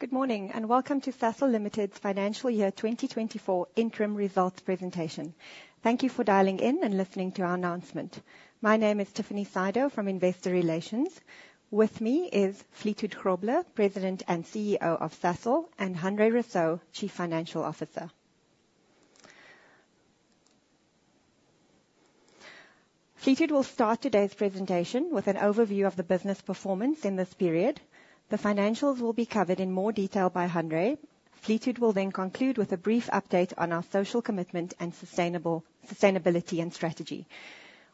Good morning, and welcome to Sasol Limited's financial year 2024 interim results presentation. Thank you for dialing in and listening to our announcement. My name is Tiffany Sydow from Investor Relations. With me is Fleetwood Grobler, President and CEO of Sasol, and Hanré Rossouw, Chief Financial Officer. Fleetwood will start today's presentation with an overview of the business performance in this period. The financials will be covered in more detail by Hanré. Fleetwood will then conclude with a brief update on our social commitment and sustainability and strategy.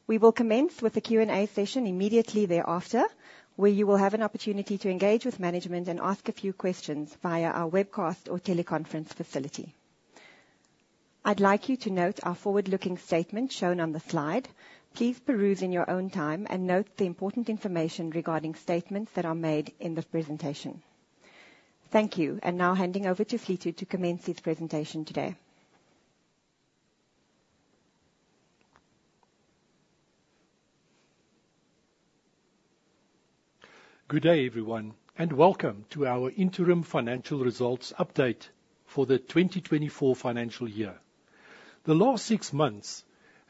We will commence with a Q&A session immediately thereafter, where you will have an opportunity to engage with management and ask a few questions via our webcast or teleconference facility. I'd like you to note our forward-looking statement shown on the slide. Please peruse in your own time and note the important information regarding statements that are made in this presentation. Thank you, and now handing over to Fleetwood to commence his presentation today. Good day, everyone, and welcome to our interim financial results update for the 2024 financial year. The last six months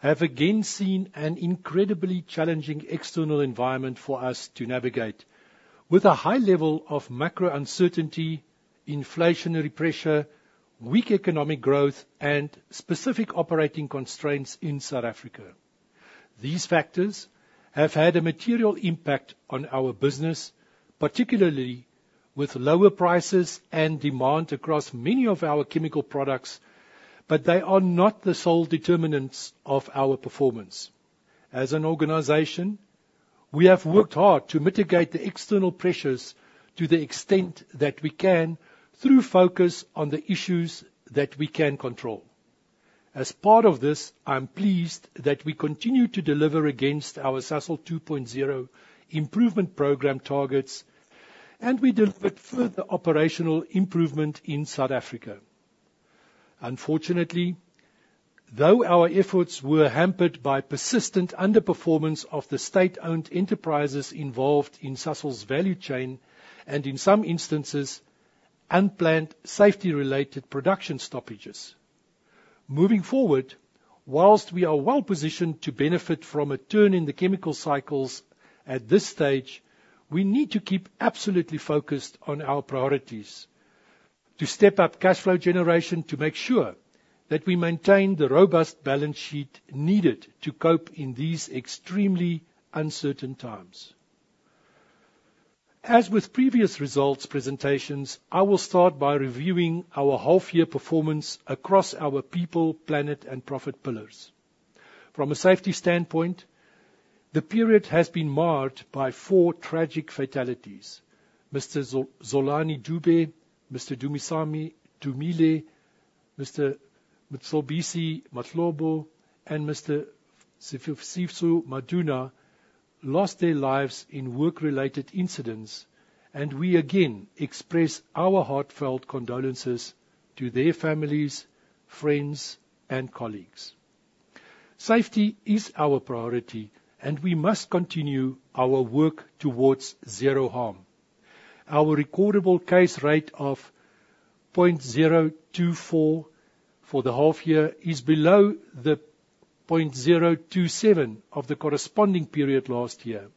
have again seen an incredibly challenging external environment for us to navigate, with a high level of macro uncertainty, inflationary pressure, weak economic growth, and specific operating constraints in South Africa. These factors have had a material impact on our business, particularly with lower prices and demand across many of our chemical products, but they are not the sole determinants of our performance. As an organization, we have worked hard to mitigate the external pressures to the extent that we can, through focus on the issues that we can control. As part of this, I'm pleased that we continue to deliver against our Sasol 2.0 improvement program targets, and we delivered further operational improvement in South Africa. Unfortunately, though, our efforts were hampered by persistent underperformance of the state-owned enterprises involved in Sasol's value chain, and in some instances, unplanned safety-related production stoppages. Moving forward, while we are well-positioned to benefit from a turn in the chemical cycles, at this stage, we need to keep absolutely focused on our priorities to step up cash flow generation, to make sure that we maintain the robust balance sheet needed to cope in these extremely uncertain times. As with previous results presentations, I will start by reviewing our half-year performance across our people, planet, and profit pillars. From a safety standpoint, the period has been marred by four tragic fatalities. Mr. Zolani Dube, Mr. Dumisani Dumile, Mr. Mthobisi Matlobo, and Mr. Sifiso Maduna lost their lives in work-related incidents, and we again express our heartfelt condolences to their families, friends, and colleagues. Safety is our priority, and we must continue our work towards zero harm. Our recordable case rate of 0.024% for the half year is below the 0.027% of the corresponding period last year.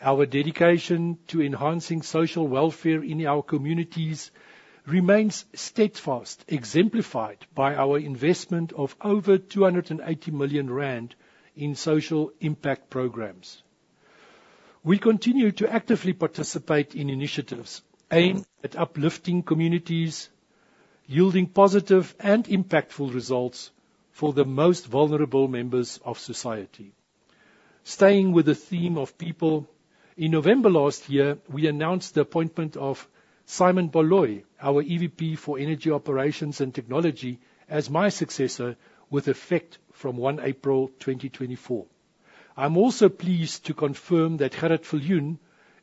Our dedication to enhancing social welfare in our communities remains steadfast, exemplified by our investment of over 280 million rand in social impact programs. We continue to actively participate in initiatives aimed at uplifting communities, yielding positive and impactful results for the most vulnerable members of society. Staying with the theme of people, in November last year, we announced the appointment of Simon Baloyi, our EVP for Energy Operations and Technology, as my successor, with effect from 1 April 2024. I'm also pleased to confirm that Gerrit Viljoen,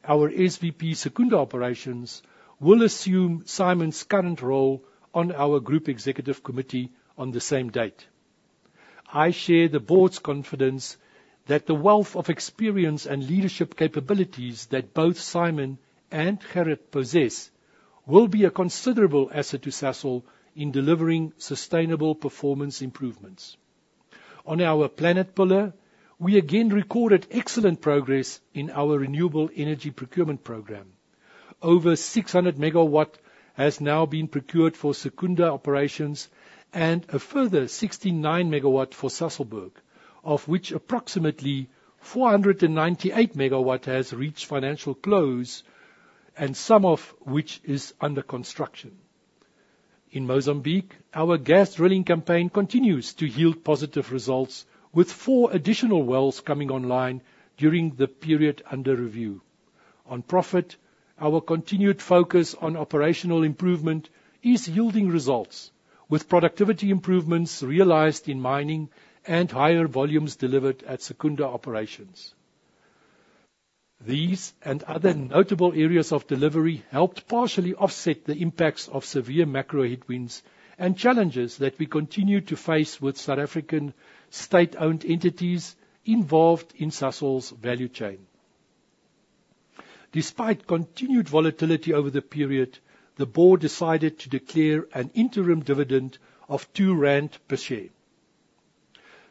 our SVP Secunda Operations, will assume Simon's current role on our group executive committee on the same date. I share the board's confidence that the wealth of experience and leadership capabilities that both Simon and Gerrit possess will be a considerable asset to Sasol in delivering sustainable performance improvements. On our planet pillar, we again recorded excellent progress in our renewable energy procurement program. Over 600 MW has now been procured for Secunda operations and a further 69 MW for Sasolburg, of which approximately 498 MW has reached financial close, and some of which is under construction. In Mozambique, our gas drilling campaign continues to yield positive results, with four additional wells coming online during the period under review. On profit, our continued focus on operational improvement is yielding results, with productivity improvements realized in mining and higher volumes delivered at Secunda operations. These and other notable areas of delivery helped partially offset the impacts of severe macro headwinds and challenges that we continue to face with South African state-owned entities involved in Sasol's value chain. Despite continued volatility over the period, the board decided to declare an interim dividend of 2 rand per share.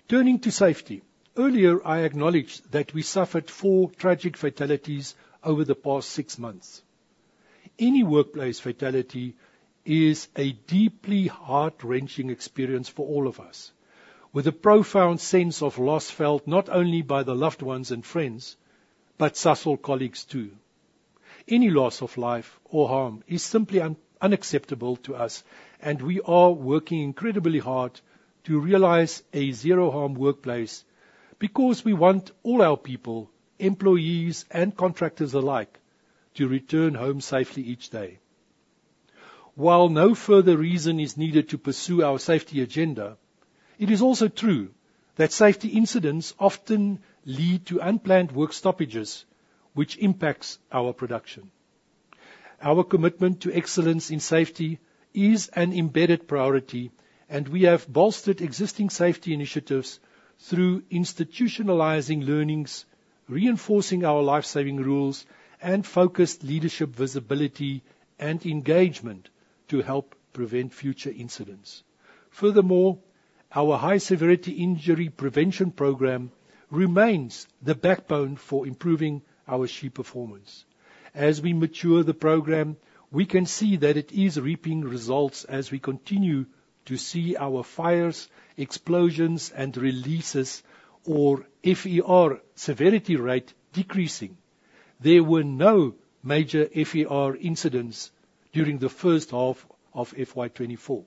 Turning to safety, earlier, I acknowledged that we suffered four tragic fatalities over the past six months. Any workplace fatality is a deeply heart-wrenching experience for all of us, with a profound sense of loss felt not only by the loved ones and friends, but Sasol colleagues, too. Any loss of life or harm is simply unacceptable to us, and we are working incredibly hard to realize a zero-harm workplace, because we want all our people, employees and contractors alike, to return home safely each day. While no further reason is needed to pursue our safety agenda, it is also true that safety incidents often lead to unplanned work stoppages, which impacts our production. Our commitment to excellence in safety is an embedded priority, and we have bolstered existing safety initiatives through institutionalizing learnings, reinforcing our life-saving rules, and focused leadership visibility and engagement to help prevent future incidents. Furthermore, our high-severity injury prevention program remains the backbone for improving our safety performance. As we mature the program, we can see that it is reaping results as we continue to see our fires, explosions, and releases, or FER severity rate, decreasing. There were no major FER incidents during the first half of FY 2024.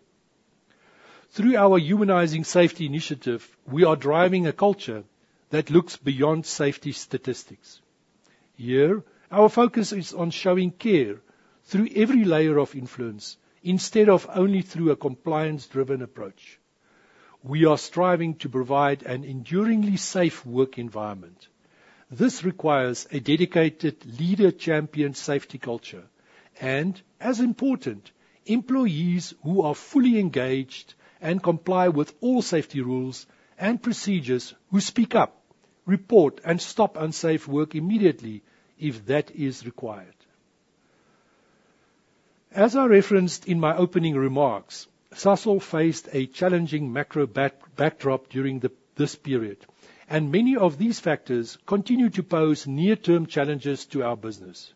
Through our humanizing safety initiative, we are driving a culture that looks beyond safety statistics. Here, our focus is on showing care through every layer of influence, instead of only through a compliance-driven approach. We are striving to provide an enduringly safe work environment. This requires a dedicated leader champion safety culture and, as important, employees who are fully engaged and comply with all safety rules and procedures, who speak up, report, and stop unsafe work immediately, if that is required. As I referenced in my opening remarks, Sasol faced a challenging macro backdrop during this period, and many of these factors continue to pose near-term challenges to our business.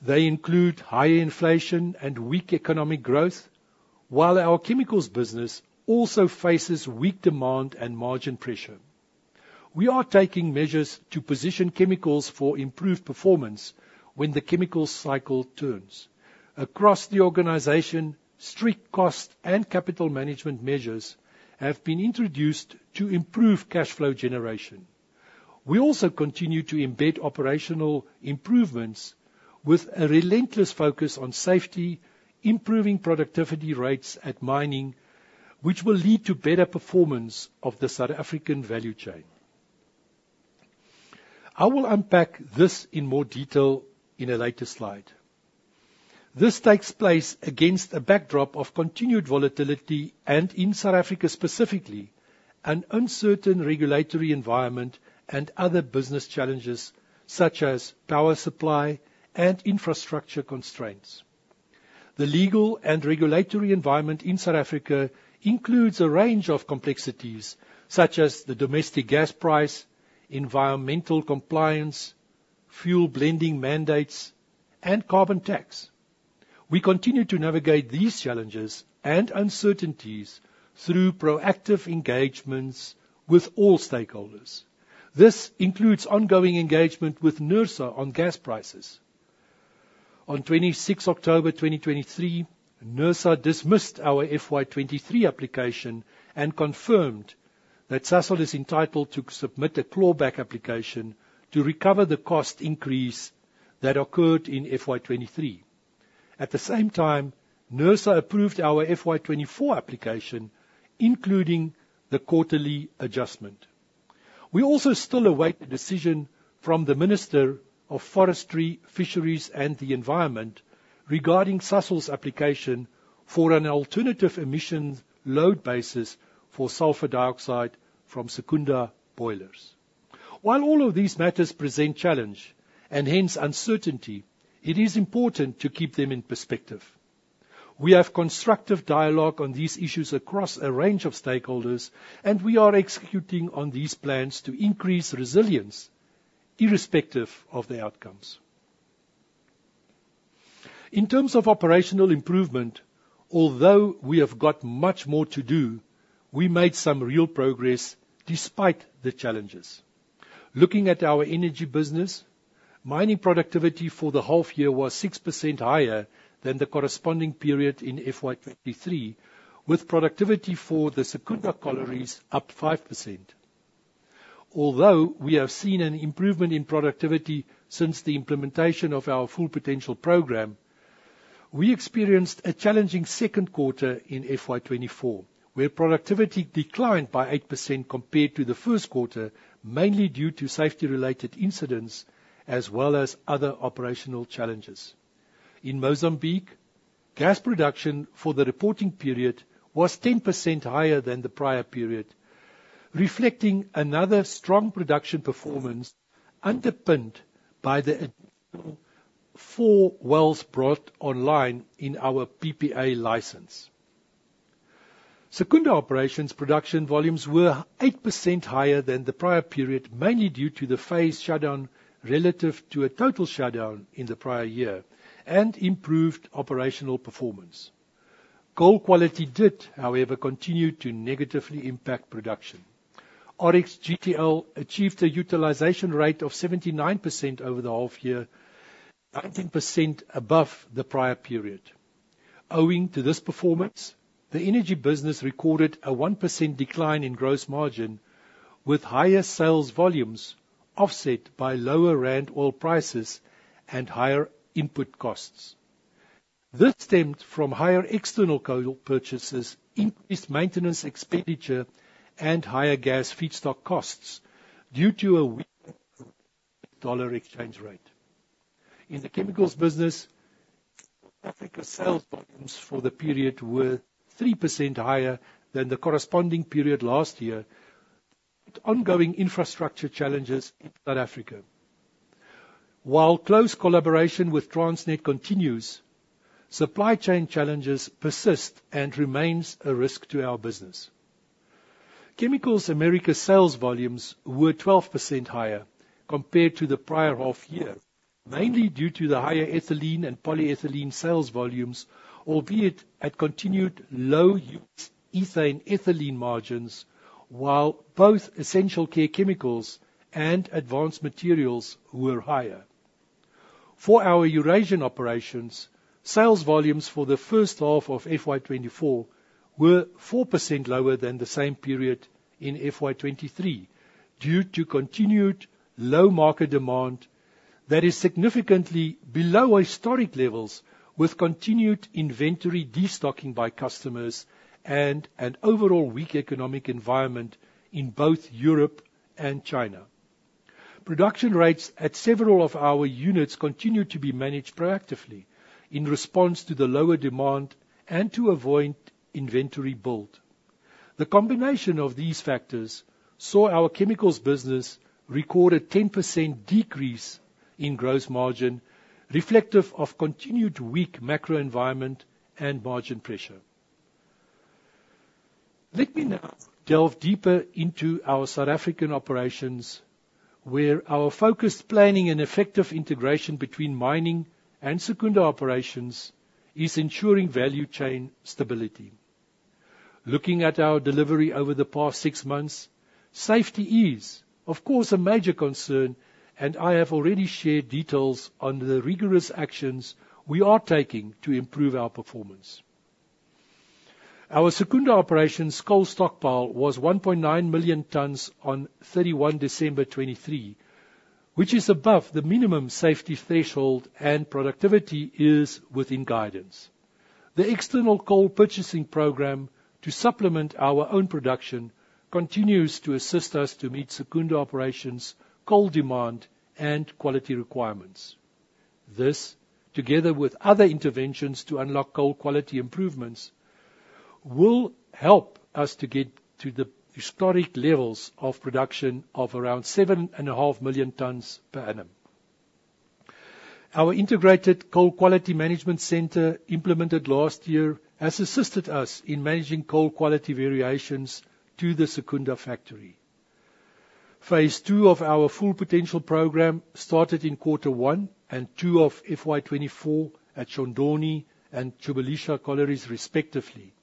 They include high inflation and weak economic growth, while our chemicals business also faces weak demand and margin pressure. We are taking measures to position chemicals for improved performance when the chemical cycle turns. Across the organization, strict cost and capital management measures have been introduced to improve cash flow generation. We also continue to embed operational improvements with a relentless focus on safety, improving productivity rates at mining, which will lead to better performance of the South African value chain. I will unpack this in more detail in a later slide. This takes place against a backdrop of continued volatility, and in South Africa specifically, an uncertain regulatory environment and other business challenges, such as power supply and infrastructure constraints. The legal and regulatory environment in South Africa includes a range of complexities, such as the domestic gas price, environmental compliance, fuel blending mandates, and carbon tax. We continue to navigate these challenges and uncertainties through proactive engagements with all stakeholders. This includes ongoing engagement with NERSA on gas prices. On 26 October 2023, NERSA dismissed our FY 2023 application and confirmed that Sasol is entitled to submit a clawback application to recover the cost increase that occurred in FY 2023. At the same time, NERSA approved our FY 2024 application, including the quarterly adjustment. We also still await a decision from the Minister of Forestry, Fisheries, and the Environment regarding Sasol's application for an alternative emission load basis for sulfur dioxide from Secunda boilers. While all of these matters present challenge, and hence uncertainty, it is important to keep them in perspective. We have constructive dialogue on these issues across a range of stakeholders, and we are executing on these plans to increase resilience, irrespective of the outcomes. In terms of operational improvement, although we have got much more to do, we made some real progress despite the challenges. Looking at our energy business, mining productivity for the half year was 6% higher than the corresponding period in FY 2023, with productivity for the Secunda collieries up 5%. Although we have seen an improvement in productivity since the implementation of our Full Potential program, we experienced a challenging second quarter in FY 2024, where productivity declined by 8% compared to the first quarter, mainly due to safety-related incidents as well as other operational challenges.... In Mozambique, gas production for the reporting period was 10% higher than the prior period, reflecting another strong production performance underpinned by the additional four wells brought online in our PPA license. Secunda operations production volumes were 8% higher than the prior period, mainly due to the phase shutdown, relative to a Total shutdown in the prior year, and improved operational performance. Coal quality did, however, continue to negatively impact production. Oryx GTL achieved a utilization rate of 79% over the half year, 19% above the prior period. Owing to this performance, the energy business recorded a 1% decline in gross margin, with higher sales volumes offset by lower rand oil prices and higher input costs. This stemmed from higher external coal purchases, increased maintenance expenditure, and higher gas feedstock costs due to a weak dollar exchange rate. In the chemicals business, Africa sales volumes for the period were 3% higher than the corresponding period last year, with ongoing infrastructure challenges in South Africa. While close collaboration with Transnet continues, supply chain challenges persist and remains a risk to our business. Chemicals America sales volumes were 12% higher compared to the prior half year, mainly due to the higher ethylene and polyethylene sales volumes, albeit at continued low ethane/ethylene margins, while both essential care chemicals and advanced materials were higher. For our Eurasian operations, sales volumes for the first half of FY 2024 were 4% lower than the same period in FY 2023, due to continued low market demand that is significantly below historic levels, with continued inventory destocking by customers and an overall weak economic environment in both Europe and China. Production rates at several of our units continue to be managed proactively in response to the lower demand and to avoid inventory build. The combination of these factors saw our chemicals business record a 10% decrease in gross margin, reflective of continued weak macro environment and margin pressure. Let me now delve deeper into our South African operations, where our focused planning and effective integration between mining and Secunda operations is ensuring value chain stability. Looking at our delivery over the past six months, safety is, of course, a major concern, and I have already shared details on the rigorous actions we are taking to improve our performance. Our Secunda operations coal stockpile was 1.9 million tons on 31 December 2023, which is above the minimum safety threshold, and productivity is within guidance. The external coal purchasing program to supplement our own production continues to assist us to meet Secunda operations' coal demand and quality requirements. This, together with other interventions to unlock coal quality improvements, will help us to get to the historic levels of production of around 7.5 million tons per annum. Our integrated Coal Quality Management Center, implemented last year, has assisted us in managing coal quality variations to the Secunda factory. Phase II of our Full Potential program started in quarter one and two of FY 2024 at Shondoni and Chibelisha collieries, respectively.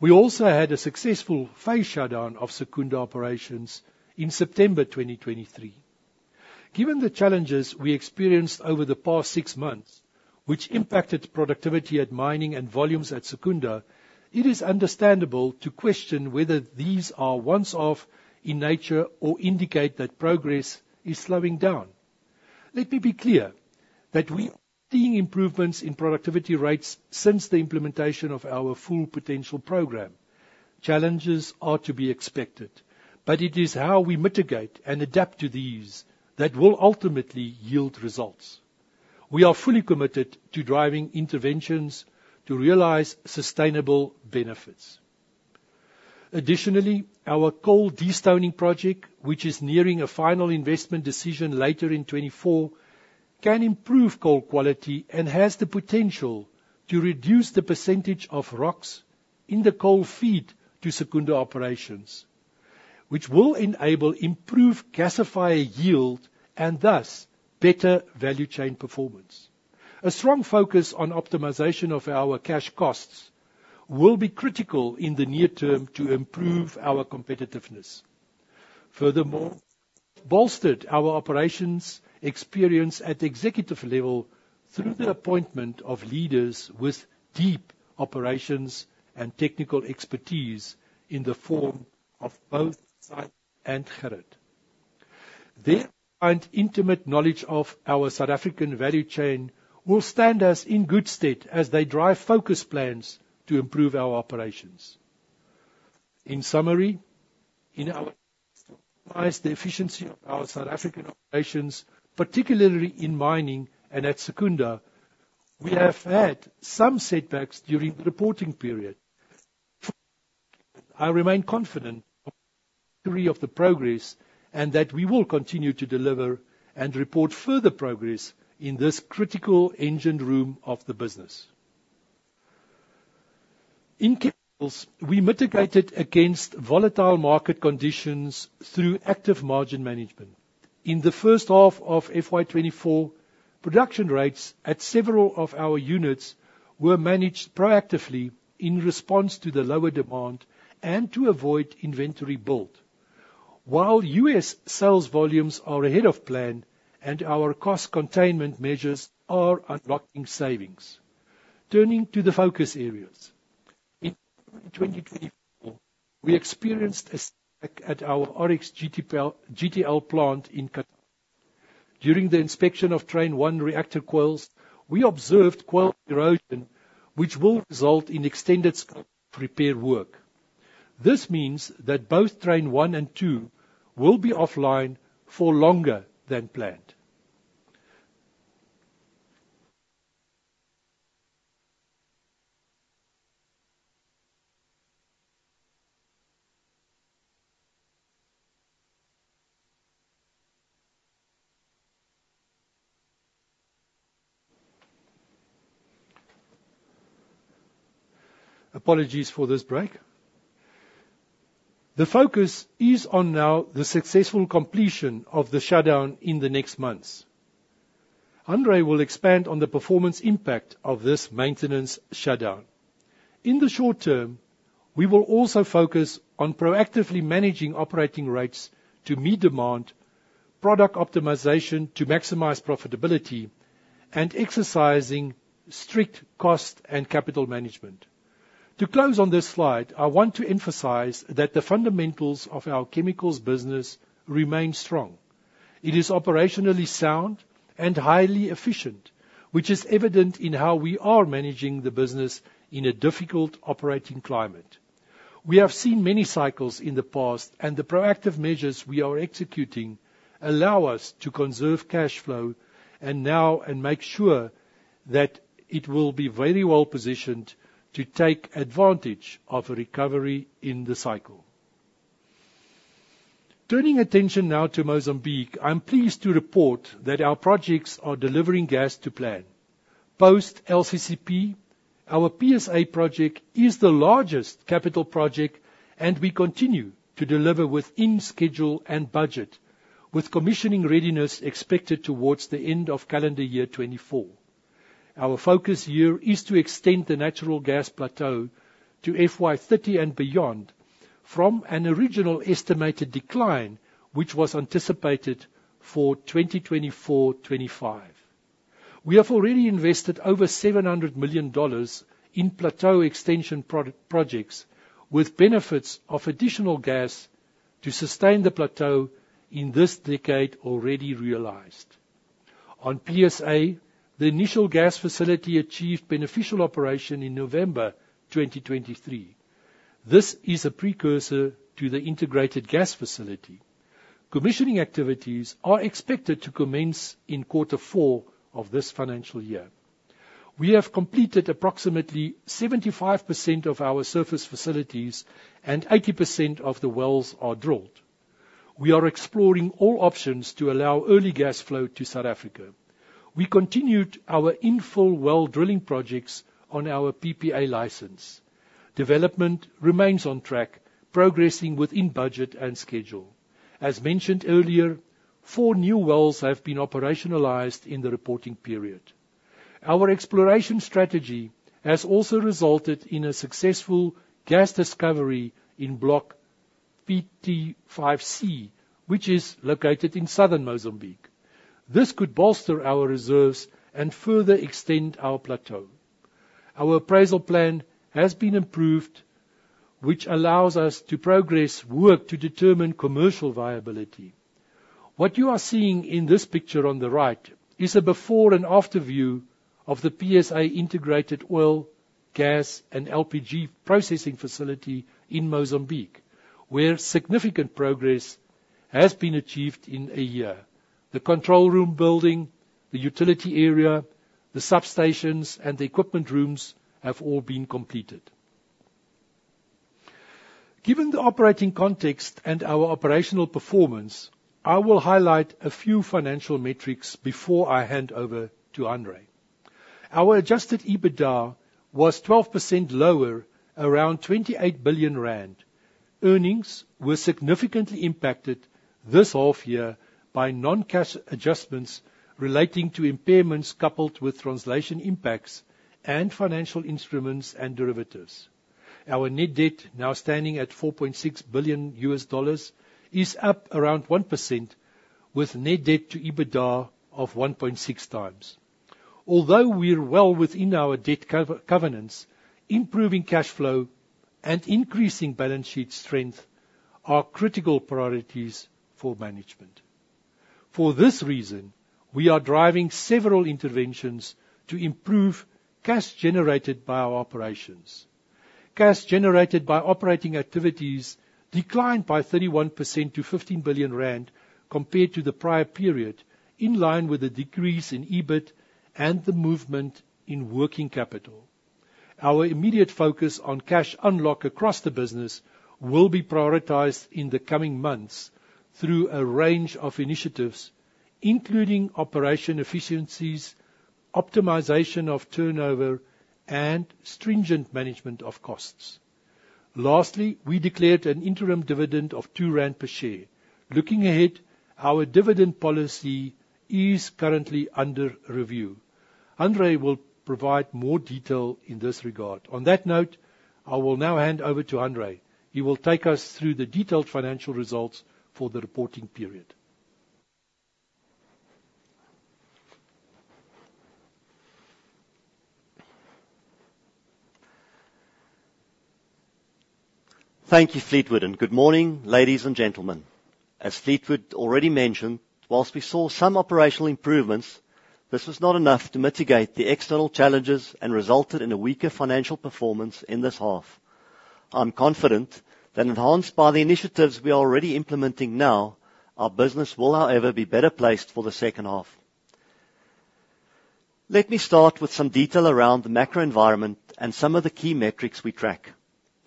We also had a successful phase shutdown of Secunda operations in September 2023. Given the challenges we experienced over the past six months, which impacted productivity at mining and volumes at Secunda, it is understandable to question whether these are once-off in nature or indicate that progress is slowing down. Let me be clear, that we are seeing improvements in productivity rates since the implementation of our Full Potential program. Challenges are to be expected, but it is how we mitigate and adapt to these that will ultimately yield results. We are fully committed to driving interventions to realize sustainable benefits. Additionally, our coal destoning project, which is nearing a final investment decision later in 2024, can improve coal quality and has the potential to reduce the percentage of rocks in the coal feed to Secunda operations, which will enable improved gasifier yield and thus better value chain performance. A strong focus on optimization of our cash costs will be critical in the near term to improve our competitiveness. Furthermore, bolstered our operations experience at executive level through the appointment of leaders with deep operations and technical expertise in the form of both Simon and Gerrit. Their intimate knowledge of our South African value chain will stand us in good stead as they drive focus plans to improve our operations.... In summary, in our eyes, the efficiency of our South African operations, particularly in mining and at Secunda, we have had some setbacks during the reporting period. I remain confident of the progress, and that we will continue to deliver and report further progress in this critical engine room of the business. In chemicals, we mitigated against volatile market conditions through active margin management. In the first half of FY 2024, production rates at several of our units were managed proactively in response to the lower demand and to avoid inventory build. While US sales volumes are ahead of plan and our cost containment measures are unlocking savings. Turning to the focus areas. In 2024, we experienced a setback at our RXGTL, GTL plant in Canada. During the inspection of train one reactor coils, we observed coil erosion, which will result in extended scope repair work. This means that both train one and two will be offline for longer than planned. Apologies for this break. The focus is now on the successful completion of the shutdown in the next months. Hanré will expand on the performance impact of this maintenance shutdown. In the short term, we will also focus on proactively managing operating rates to meet demand, product optimization to maximize profitability, and exercising strict cost and capital management. To close on this slide, I want to emphasize that the fundamentals of our chemicals business remain strong. It is operationally sound and highly efficient, which is evident in how we are managing the business in a difficult operating climate. We have seen many cycles in the past, and the proactive measures we are executing allow us to conserve cash flow and make sure that it will be very well positioned to take advantage of a recovery in the cycle. Turning attention now to Mozambique, I'm pleased to report that our projects are delivering gas to plan. Post LCCP, our PSA project is the largest capital project, and we continue to deliver within schedule and budget, with commissioning readiness expected towards the end of calendar year 2024. Our focus here is to extend the natural gas plateau to FY 2030 and beyond from an original estimated decline, which was anticipated for 2024, 2025. We have already invested over $700 million in plateau extension product projects, with benefits of additional gas to sustain the plateau in this decade already realized. On PSA, the initial gas facility achieved beneficial operation in November 2023. This is a precursor to the integrated gas facility. Commissioning activities are expected to commence in quarter four of this financial year. We have completed approximately 75% of our surface facilities and 80% of the wells are drilled. We are exploring all options to allow early gas flow to South Africa. We continued our infill well drilling projects on our PPA license. Development remains on track, progressing within budget and schedule. As mentioned earlier, four new wells have been operationalized in the reporting period. Our exploration strategy has also resulted in a successful gas discovery in Block PT5C, which is located in southern Mozambique. This could bolster our reserves and further extend our plateau. Our appraisal plan has been improved, which allows us to progress work to determine commercial viability. What you are seeing in this picture on the right is a before and after view of the PSA integrated oil, gas, and LPG processing facility in Mozambique, where significant progress has been achieved in a year. The control room building, the utility area, the substations, and the equipment rooms have all been completed. Given the operating context and our operational performance, I will highlight a few financial metrics before I hand over to Hanré. Our adjusted EBITDA was 12% lower, around 28 billion rand. Earnings were significantly impacted this half year by non-cash adjustments relating to impairments, coupled with translation impacts and financial instruments and derivatives. Our net debt, now standing at $4.6 billion, is up around 1%, with net debt to EBITDA of 1.6x. Although we're well within our debt covenants, improving cash flow and increasing balance sheet strength are critical priorities for management. For this reason, we are driving several interventions to improve cash generated by our operations. Cash generated by operating activities declined by 31% to 15 billion rand, compared to the prior period, in line with the decrease in EBIT and the movement in working capital. Our immediate focus on cash unlock across the business will be prioritized in the coming months through a range of initiatives, including operation efficiencies, optimization of turnover, and stringent management of costs. Lastly, we declared an interim dividend of 2 rand per share. Looking ahead, our dividend policy is currently under review. Hanré will provide more detail in this regard. On that note, I will now hand over to Hanré. He will take us through the detailed financial results for the reporting period. Thank you, Fleetwood, and good morning, ladies and gentlemen. As Fleetwood already mentioned, while we saw some operational improvements, this was not enough to mitigate the external challenges and resulted in a weaker financial performance in this half. I'm confident that enhanced by the initiatives we are already implementing now, our business will, however, be better placed for the second half. Let me start with some detail around the macro environment and some of the key metrics we track.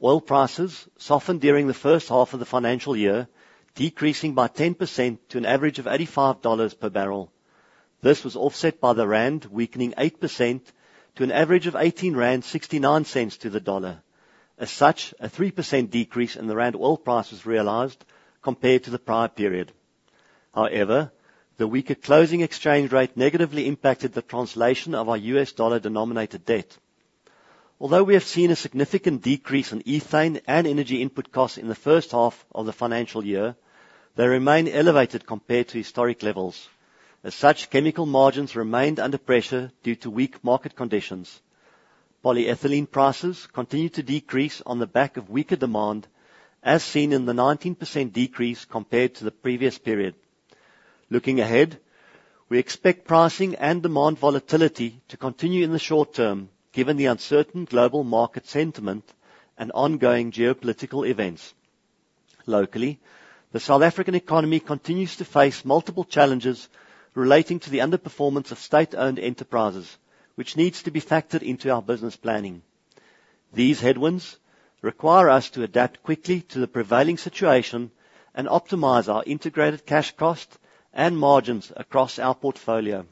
Oil prices softened during the first half of the financial year, decreasing by 10% to an average of $85 per barrel. This was offset by the rand weakening 8% to an average of 18.69 rand to the dollar. As such, a 3% decrease in the rand oil price was realized compared to the prior period. However, the weaker closing exchange rate negatively impacted the translation of our US dollar-denominated debt. Although we have seen a significant decrease in ethane and energy input costs in the first half of the financial year, they remain elevated compared to historic levels. As such, chemical margins remained under pressure due to weak market conditions. Polyethylene prices continued to decrease on the back of weaker demand, as seen in the 19% decrease compared to the previous period. Looking ahead, we expect pricing and demand volatility to continue in the short term, given the uncertain global market sentiment and ongoing geopolitical events. Locally, the South African economy continues to face multiple challenges relating to the underperformance of state-owned enterprises, which needs to be factored into our business planning. These headwinds require us to adapt quickly to the prevailing situation and optimize our integrated cash cost and margins across our portfolio.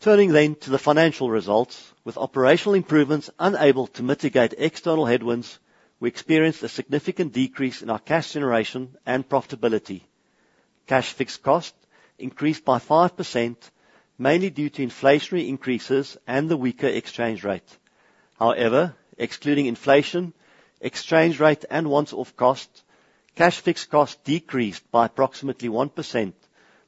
Turning then to the financial results. With operational improvements unable to mitigate external headwinds, we experienced a significant decrease in our cash generation and profitability. Cash fixed cost increased by 5%, mainly due to inflationary increases and the weaker exchange rate. However, excluding inflation, exchange rate and once-off costs, cash fixed costs decreased by approximately 1%,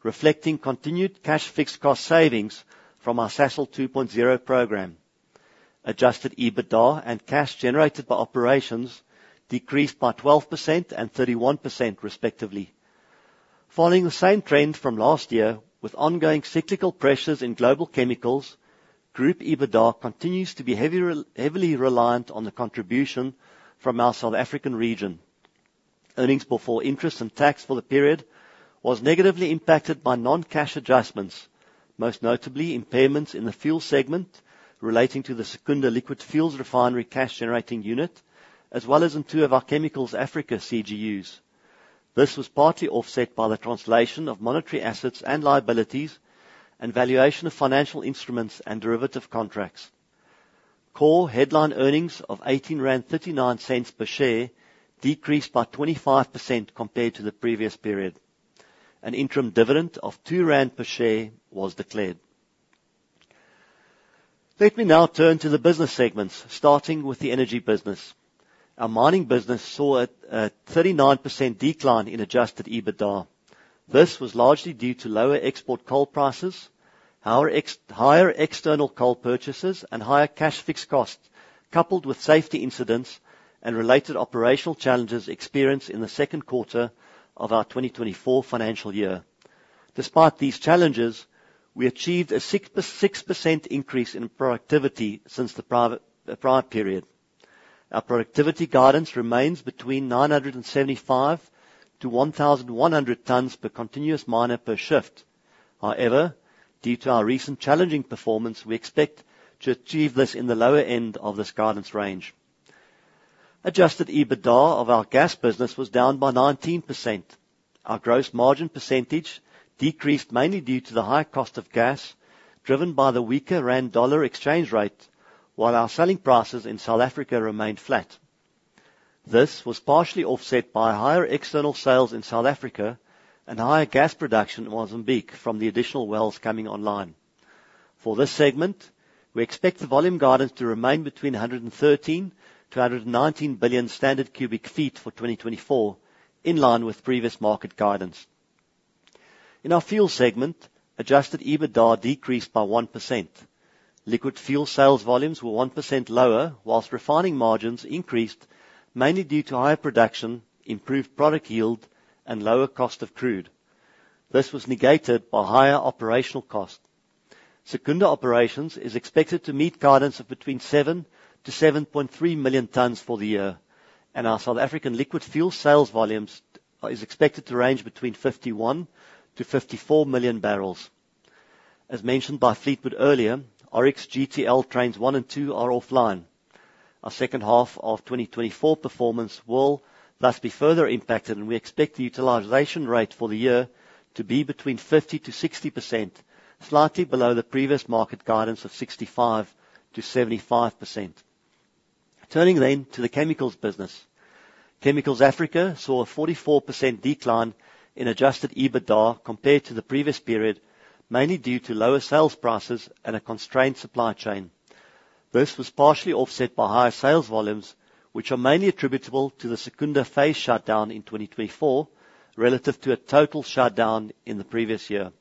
reflecting continued cash fixed cost savings from our Sasol 2.0 program. Adjusted EBITDA and cash generated by operations decreased by 12% and 31%, respectively. Following the same trend from last year, with ongoing cyclical pressures in global chemicals, group EBITDA continues to be heavily reliant on the contribution from our South African region. Earnings before interest and tax for the period was negatively impacted by non-cash adjustments, most notably impairments in the fuel segment relating to the Secunda Liquid Fuels Refinery Cash Generating Unit, as well as in two of our Chemicals Africa CGUs. This was partly offset by the translation of monetary assets and liabilities and valuation of financial instruments and derivative contracts. Core headline earnings of 18.39 per share decreased by 25% compared to the previous period. An interim dividend of 2 rand per share was declared. Let me now turn to the business segments, starting with the energy business. Our mining business saw a 39% decline in adjusted EBITDA. This was largely due to lower export coal prices, our higher external coal purchases, and higher cash fixed costs, coupled with safety incidents and related operational challenges experienced in the second quarter of our 2024 financial year. Despite these challenges, we achieved a 6.6% increase in productivity since the prior period. Our productivity guidance remains between 975 tons-1,100 tons per continuous miner per shift. However, due to our recent challenging performance, we expect to achieve this in the lower end of this guidance range. Adjusted EBITDA of our gas business was down by 19%. Our gross margin percentage decreased mainly due to the high cost of gas, driven by the weaker rand-dollar exchange rate, while our selling prices in South Africa remained flat. This was partially offset by higher external sales in South Africa and higher gas production in Mozambique from the additional wells coming online. For this segment, we expect the volume guidance to remain between 113 billion standard cubic feet -119 billion standard cubic feet for 2024, in line with previous market guidance. In our fuel segment, Adjusted EBITDA decreased by 1%. Liquid fuel sales volumes were 1% lower, while refining margins increased, mainly due to higher production, improved product yield, and lower cost of crude. This was negated by higher operational costs. Secunda Operations is expected to meet guidance of between 7 million tons-7.3 million tons for the year, and our South African liquid fuel sales volumes is expected to range between 51million bbl-54 million bbl. As mentioned by Fleetwood earlier, our Oryx GTL trains one and two are offline. Our second half of 2024 performance will thus be further impacted, and we expect the utilization rate for the year to be between 50%-60%, slightly below the previous market guidance of 65%-75%. Turning then to the chemicals business. Chemicals Africa saw a 44% decline in Adjusted EBITDA compared to the previous period, mainly due to lower sales prices and a constrained supply chain. This was partially offset by higher sales volumes, which are mainly attributable to the Secunda phase shutdown in 2024, relative to a total shutdown in the previous year.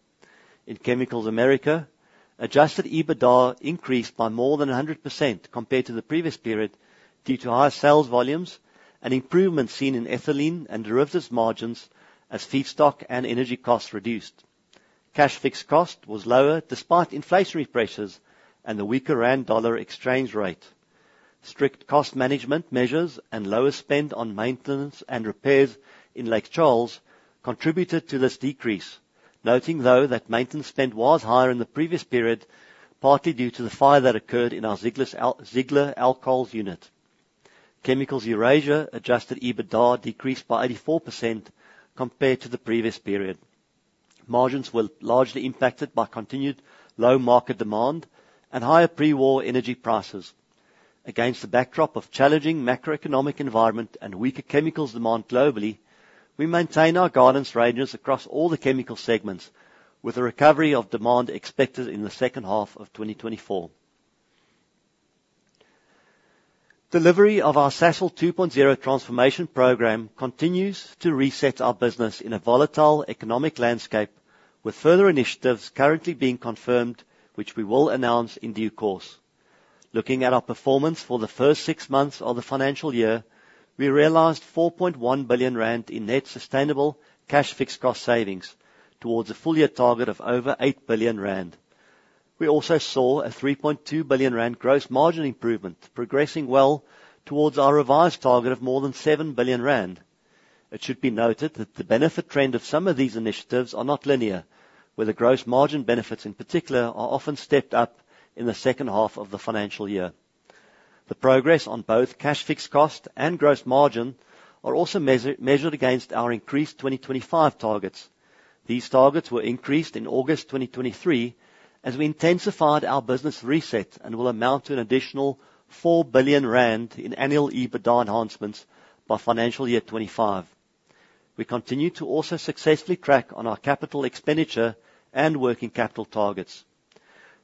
In Chemicals America, Adjusted EBITDA increased by more than 100% compared to the previous period, due to higher sales volumes and improvements seen in ethylene and derivatives margins as feedstock and energy costs reduced. Cash fixed cost was lower despite inflationary pressures and the weaker rand-dollar exchange rate. Strict cost management measures and lower spend on maintenance and repairs in Lake Charles contributed to this decrease. Noting, though, that maintenance spend was higher in the previous period, partly due to the fire that occurred in our Ziegler Alcohols unit. Chemicals Eurasia Adjusted EBITDA decreased by 84% compared to the previous period. Margins were largely impacted by continued low market demand and higher pre-war energy prices. Against the backdrop of challenging macroeconomic environment and weaker chemicals demand globally, we maintain our guidance ranges across all the chemical segments, with a recovery of demand expected in the second half of 2024. Delivery of our Sasol 2.0 transformation program continues to reset our business in a volatile economic landscape, with further initiatives currently being confirmed, which we will announce in due course. Looking at our performance for the first six months of the financial year, we realized 4.1 billion rand in net sustainable cash fixed cost savings towards a full year target of over 8 billion rand. We also saw a 3.2 billion rand gross margin improvement, progressing well towards our revised target of more than 7 billion rand. It should be noted that the benefit trend of some of these initiatives are not linear, where the gross margin benefits in particular, are often stepped up in the second half of the financial year. The progress on both cash fixed cost and gross margin are also measured against our increased 2025 targets. These targets were increased in August 2023 as we intensified our business reset and will amount to an additional 4 billion rand in annual EBITDA enhancements by financial year 2025. We continue to also successfully track on our capital expenditure and working capital targets.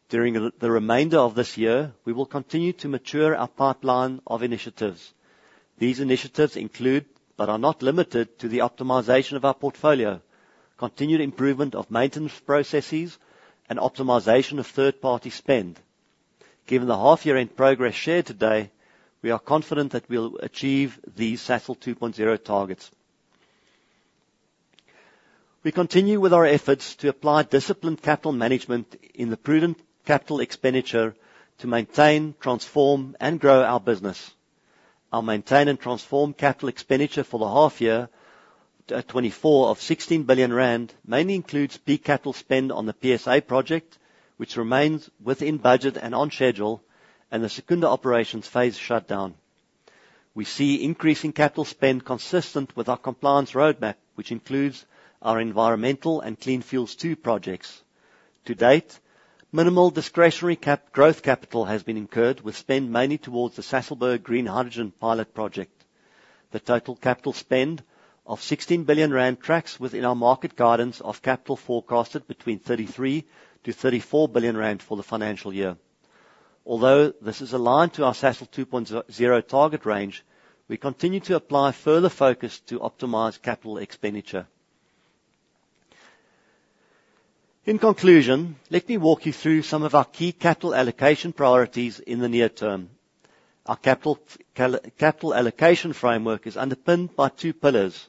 During the remainder of this year, we will continue to mature our pipeline of initiatives. These initiatives include, but are not limited to, the optimization of our portfolio, continued improvement of maintenance processes, and optimization of third-party spend. Given the half-year end progress shared today, we are confident that we'll achieve these Sasol 2.0 targets. We continue with our efforts to apply disciplined capital management in the prudent capital expenditure to maintain, transform, and grow our business. Our maintain and transform capital expenditure for the half-year 2024 of 16 billion rand mainly includes peak capital spend on the PSA project, which remains within budget and on schedule, and the Secunda Operations phase shutdown. We see increasing capital spend consistent with our compliance roadmap, which includes our environmental and Clean Fuels II projects. To date, minimal discretionary cap growth capital has been incurred, with spend mainly towards the Sasolburg Green Hydrogen pilot project. The total capital spend of 16 billion rand tracks within our market guidance of capital forecasted between 33 billion-34 billion rand for the financial year. Although this is aligned to our Sasol 2.0 target range, we continue to apply further focus to optimize capital expenditure. In conclusion, let me walk you through some of our key capital allocation priorities in the near term. Our capital allocation framework is underpinned by two pillars.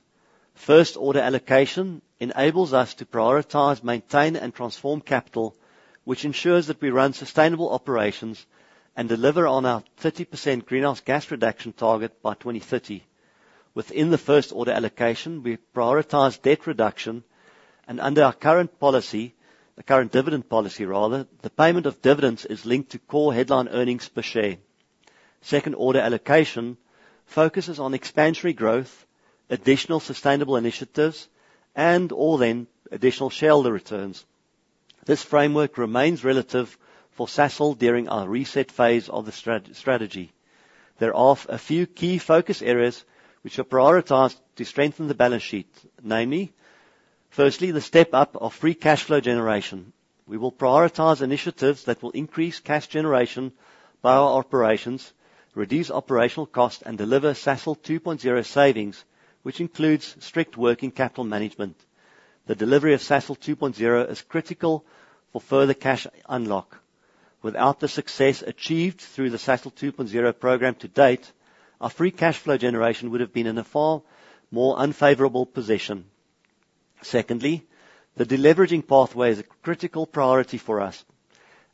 First order allocation enables us to prioritize, maintain, and transform capital, which ensures that we run sustainable operations and deliver on our 30% greenhouse gas reduction target by 2030. Within the first order allocation, we prioritize debt reduction, and under our current policy, the current dividend policy rather, the payment of dividends is linked to core headline earnings per share. Second order allocation focuses on expansionary growth, additional sustainable initiatives, and or then additional shareholder returns. This framework remains relative for Sasol during our reset phase of the strategy. There are a few key focus areas which are prioritized to strengthen the balance sheet, namely: firstly, the step up of free cash flow generation.... We will prioritize initiatives that will increase cash generation by our operations, reduce operational costs, and deliver Sasol 2.0 savings, which includes strict working capital management. The delivery of Sasol 2.0 is critical for further cash unlock. Without the success achieved through the Sasol 2.0 program to date, our free cash flow generation would have been in a far more unfavorable position. Secondly, the deleveraging pathway is a critical priority for us.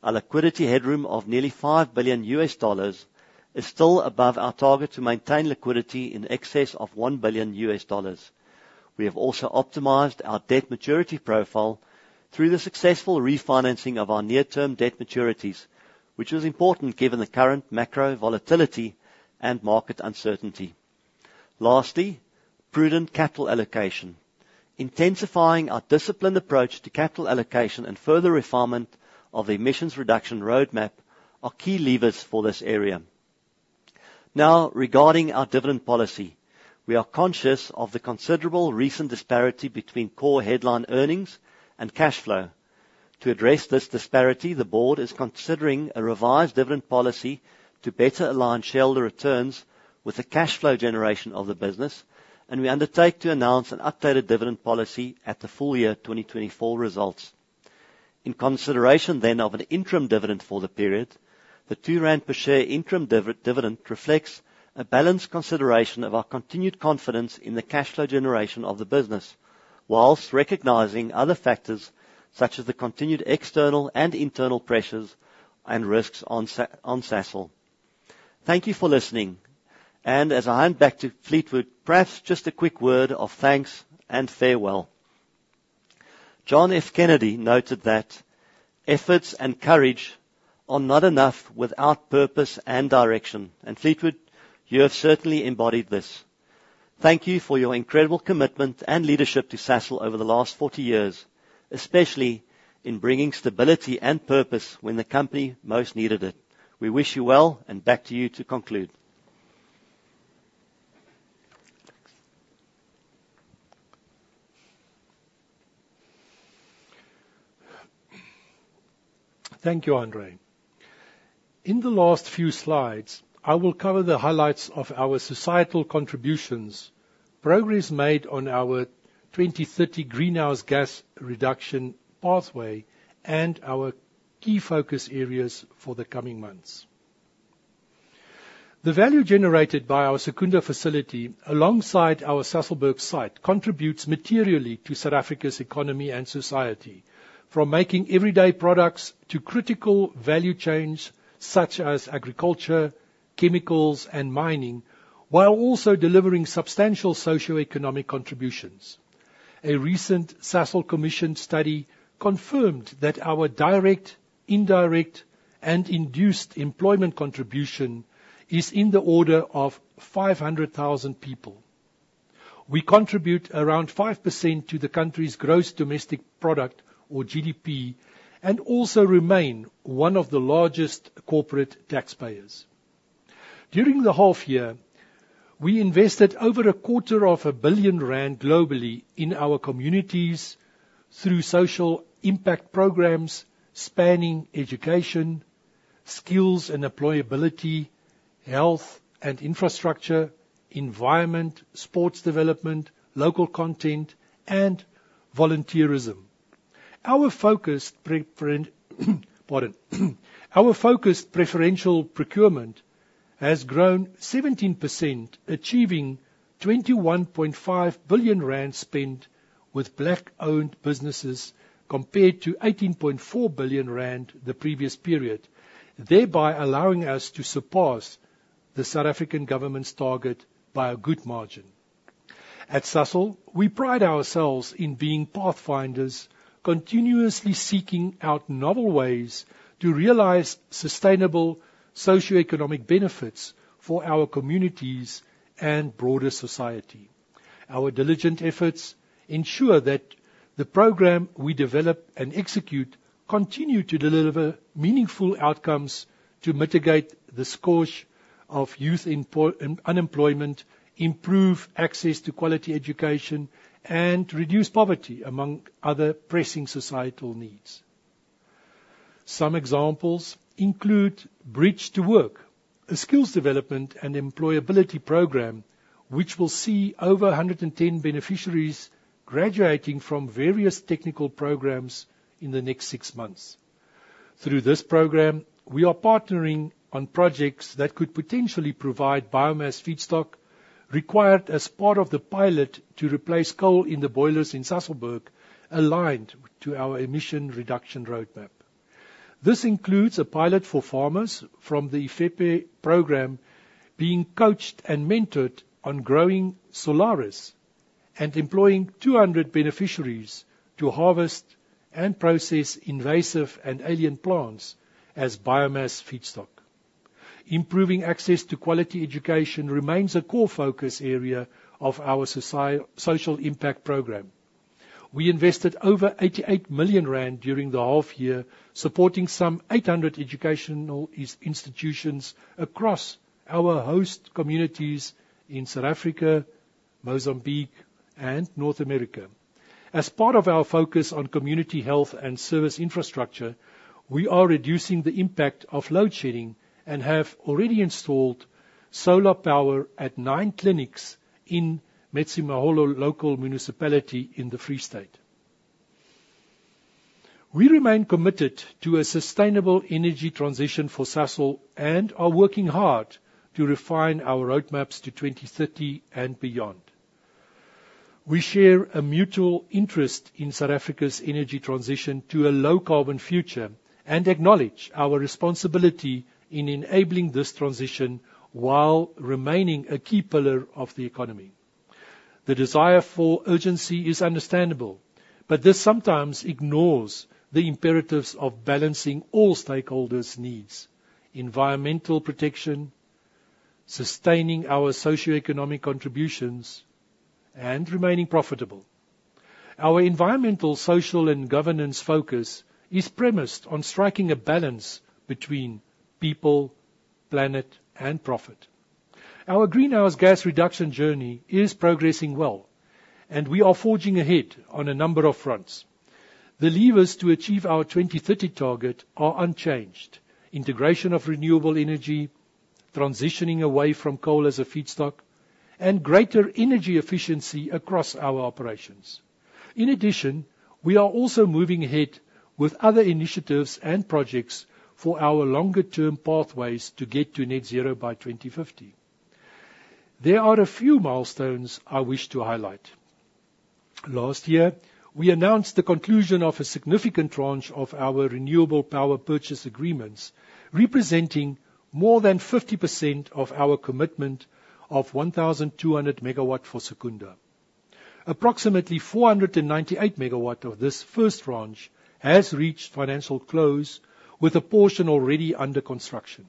Our liquidity headroom of nearly $5 billion is still above our target to maintain liquidity in excess of $1 billion. We have also optimized our debt maturity profile through the successful refinancing of our near-term debt maturities, which is important given the current macro volatility and market uncertainty. Lastly, prudent capital allocation. Intensifying our disciplined approach to capital allocation and further refinement of the emissions reduction roadmap are key levers for this area. Now, regarding our dividend policy, we are conscious of the considerable recent disparity between core headline earnings and cash flow. To address this disparity, the board is considering a revised dividend policy to better align shareholder returns with the cash flow generation of the business, and we undertake to announce an updated dividend policy at the full year 2024 results. In consideration then of an interim dividend for the period, the 2 rand per share interim dividend reflects a balanced consideration of our continued confidence in the cash flow generation of the business, while recognizing other factors such as the continued external and internal pressures and risks on Sasol. Thank you for listening, and as I hand back to Fleetwood, perhaps just a quick word of thanks and farewell. John F. Kennedy noted that, "Efforts and courage are not enough without purpose and direction," and Fleetwood, you have certainly embodied this. Thank you for your incredible commitment and leadership to Sasol over the last 40 years, especially in bringing stability and purpose when the company most needed it. We wish you well, and back to you to conclude. Thank you, Hanré. In the last few slides, I will cover the highlights of our societal contributions, progress made on our 2030 greenhouse gas reduction pathway, and our key focus areas for the coming months. The value generated by our Secunda facility, alongside our Sasolburg site, contributes materially to South Africa's economy and society. From making everyday products to critical value chains such as agriculture, chemicals, and mining, while also delivering substantial socioeconomic contributions. A recent Sasol Commission study confirmed that our direct, indirect, and induced employment contribution is in the order of 500,000 people. We contribute around 5% to the country's gross domestic product, or GDP, and also remain one of the largest corporate taxpayers. During the half year, we invested over 250 million rand globally in our communities through social impact programs spanning education, skills and employability, health and infrastructure, environment, sports development, local content, and volunteerism. Our focused preferential procurement has grown 17%, achieving 21.5 billion rand spent with Black-owned businesses, compared to 18.4 billion rand the previous period, thereby allowing us to surpass the South African government's target by a good margin. At Sasol, we pride ourselves in being pathfinders, continuously seeking out novel ways to realize sustainable socioeconomic benefits for our communities and broader society. Our diligent efforts ensure that the program we develop and execute continue to deliver meaningful outcomes to mitigate the scourge of youth unemployment, improve access to quality education, and reduce poverty, among other pressing societal needs. Some examples include Bridge to Work, a skills development and employability program, which will see over 110 beneficiaries graduating from various technical programs in the next six months. Through this program, we are partnering on projects that could potentially provide biomass feedstock required as part of the pilot to replace coal in the boilers in Sasolburg, aligned to our emission reduction roadmap. This includes a pilot for farmers from the Iphepe program being coached and mentored on growing Solaris and employing 200 beneficiaries to harvest and process invasive and alien plants as biomass feedstock. Improving access to quality education remains a core focus area of our social impact program. We invested over 88 million rand during the half year, supporting some 800 educational institutions across our host communities in South Africa, Mozambique, and North America. As part of our focus on community health and service infrastructure, we are reducing the impact of load shedding and have already installed solar power at nine clinics in Metsimaholo local municipality in the Free State. We remain committed to a sustainable energy transition for Sasol and are working hard to refine our roadmaps to 2030 and beyond. We share a mutual interest in South Africa's energy transition to a low carbon future, and acknowledge our responsibility in enabling this transition while remaining a key pillar of the economy. The desire for urgency is understandable, but this sometimes ignores the imperatives of balancing all stakeholders' needs, environmental protection, sustaining our socioeconomic contributions, and remaining profitable. Our environmental, social, and governance focus is premised on striking a balance between people, planet, and profit. Our greenhouse gas reduction journey is progressing well, and we are forging ahead on a number of fronts. The levers to achieve our 2030 target are unchanged: integration of renewable energy, transitioning away from coal as a feedstock, and greater energy efficiency across our operations. In addition, we are also moving ahead with other initiatives and projects for our longer-term pathways to get to net zero by 2050. There are a few milestones I wish to highlight. Last year, we announced the conclusion of a significant tranche of our renewable power purchase agreements, representing more than 50% of our commitment of 1,200 MW for Secunda. Approximately 498 MW of this first tranche has reached financial close, with a portion already under construction.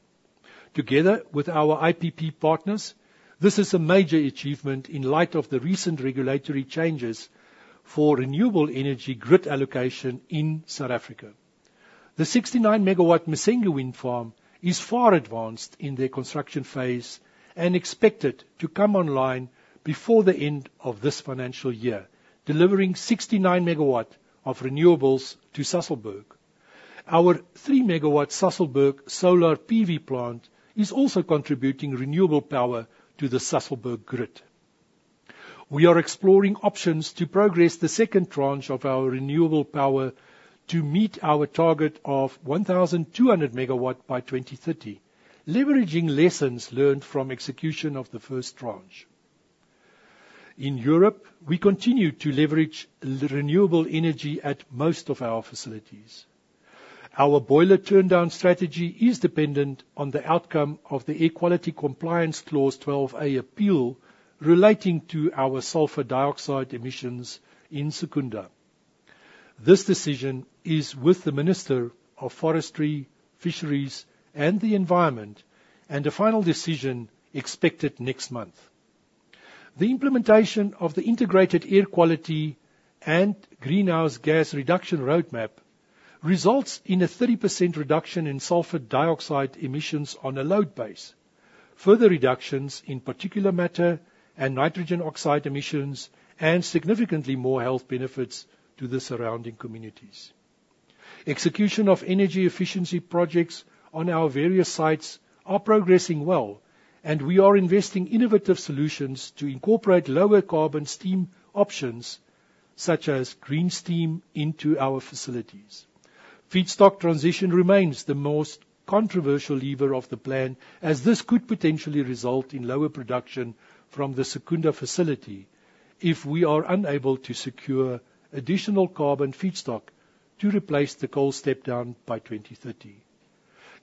Together with our IPP partners, this is a major achievement in light of the recent regulatory changes for renewable energy grid allocation in South Africa. The 69-megawatt Msenge Wind Farm is far advanced in the construction phase and expected to come online before the end of this financial year, delivering 69 megawatt of renewables to Sasolburg. Our three-megawatt Sasolburg solar PV plant is also contributing renewable power to the Sasolburg grid. We are exploring options to progress the second tranche of our renewable power to meet our target of 1,200 megawatt by 2030, leveraging lessons learned from execution of the first tranche. In Europe, we continue to leverage renewable energy at most of our facilities. Our boiler turndown strategy is dependent on the outcome of the Air Quality Compliance Clause 12A appeal relating to our sulfur dioxide emissions in Secunda. This decision is with the Minister of Forestry, Fisheries, and the Environment, and a final decision expected next month. The implementation of the integrated air quality and greenhouse gas reduction roadmap results in a 30% reduction in sulfur dioxide emissions on a load base. Further reductions in particulate matter and nitrogen oxide emissions, and significantly more health benefits to the surrounding communities. Execution of energy efficiency projects on our various sites are progressing well, and we are investing innovative solutions to incorporate lower carbon steam options, such as green steam, into our facilities. Feedstock transition remains the most controversial lever of the plan, as this could potentially result in lower production from the Secunda facility if we are unable to secure additional carbon feedstock to replace the coal step down by 2030.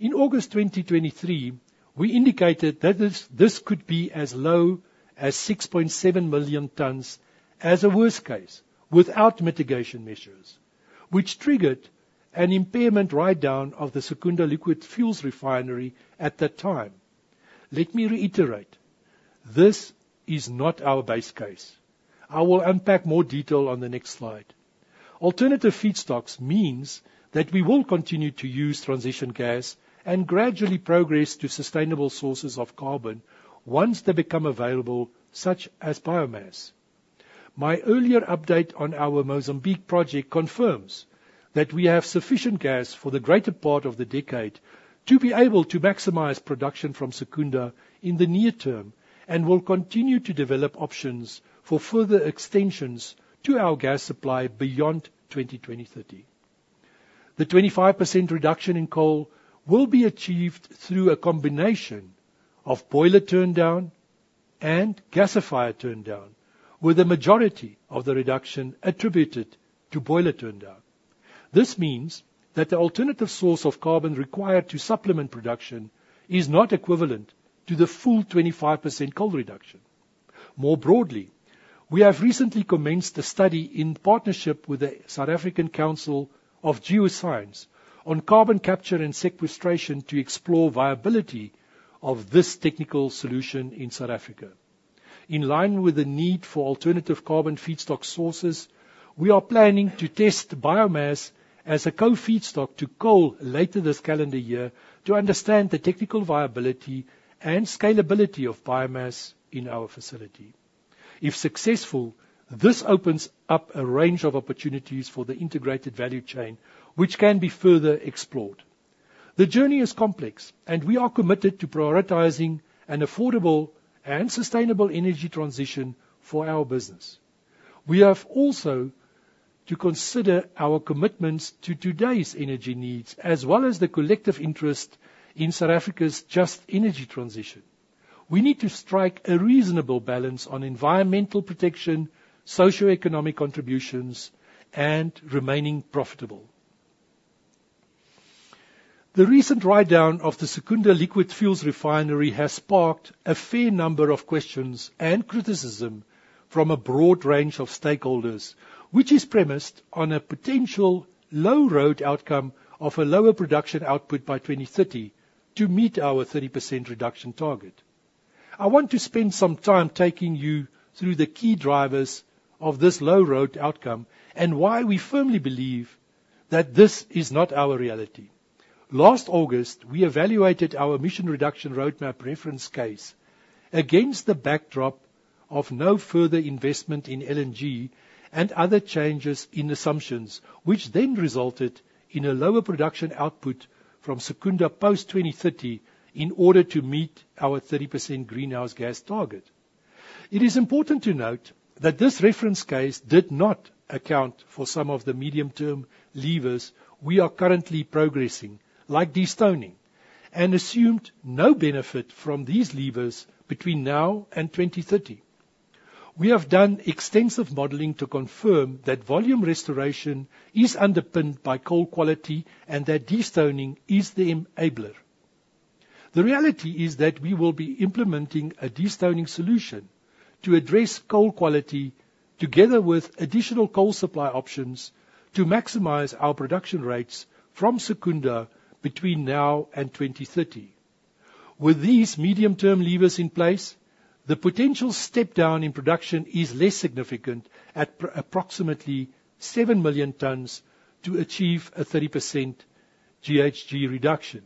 In August 2023, we indicated that this could be as low as 6.7 million tons as a worst case without mitigation measures, which triggered an impairment write down of the Secunda Liquid Fuels Refinery at that time. Let me reiterate, this is not our base case. I will unpack more detail on the next slide. Alternative feedstocks means that we will continue to use transition gas and gradually progress to sustainable sources of carbon once they become available, such as biomass. My earlier update on our Mozambique project confirms that we have sufficient gas for the greater part of the decade to be able to maximize production from Secunda in the near term, and will continue to develop options for further extensions to our gas supply beyond 2020-2030. The 25% reduction in coal will be achieved through a combination of boiler turndown and gasifier turndown, with the majority of the reduction attributed to boiler turndown. This means that the alternative source of carbon required to supplement production is not equivalent to the full 25% coal reduction. More broadly, we have recently commenced a study in partnership with the South African Council of Geoscience on carbon capture and sequestration to explore viability of this technical solution in South Africa. In line with the need for alternative carbon feedstock sources, we are planning to test biomass as a co-feedstock to coal later this calendar year to understand the technical viability and scalability of biomass in our facility.... If successful, this opens up a range of opportunities for the integrated value chain, which can be further explored. The journey is complex, and we are committed to prioritizing an affordable and sustainable energy transition for our business. We have also to consider our commitments to today's energy needs, as well as the collective interest in South Africa's just energy transition. We need to strike a reasonable balance on environmental protection, socioeconomic contributions, and remaining profitable. The recent write-down of the Secunda Liquid Fuels Refinery has sparked a fair number of questions and criticism from a broad range of stakeholders, which is premised on a potential low-road outcome of a lower production output by 2030 to meet our 30% reduction target. I want to spend some time taking you through the key drivers of this low-road outcome and why we firmly believe that this is not our reality. Last August, we evaluated our emissions reduction roadmap reference case against the backdrop of no further investment in LNG and other changes in assumptions, which then resulted in a lower production output from Secunda post-2030 in order to meet our 30% greenhouse gas target. It is important to note that this reference case did not account for some of the medium-term levers we are currently progressing, like destoning, and assumed no benefit from these levers between now and 2030. We have done extensive modeling to confirm that volume restoration is underpinned by coal quality and that destoning is the enabler. The reality is that we will be implementing a destoning solution to address coal quality, together with additional coal supply options, to maximize our production rates from Secunda between now and 2030. With these medium-term levers in place, the potential step down in production is less significant at approximately seven million tons to achieve a 30% GHG reduction.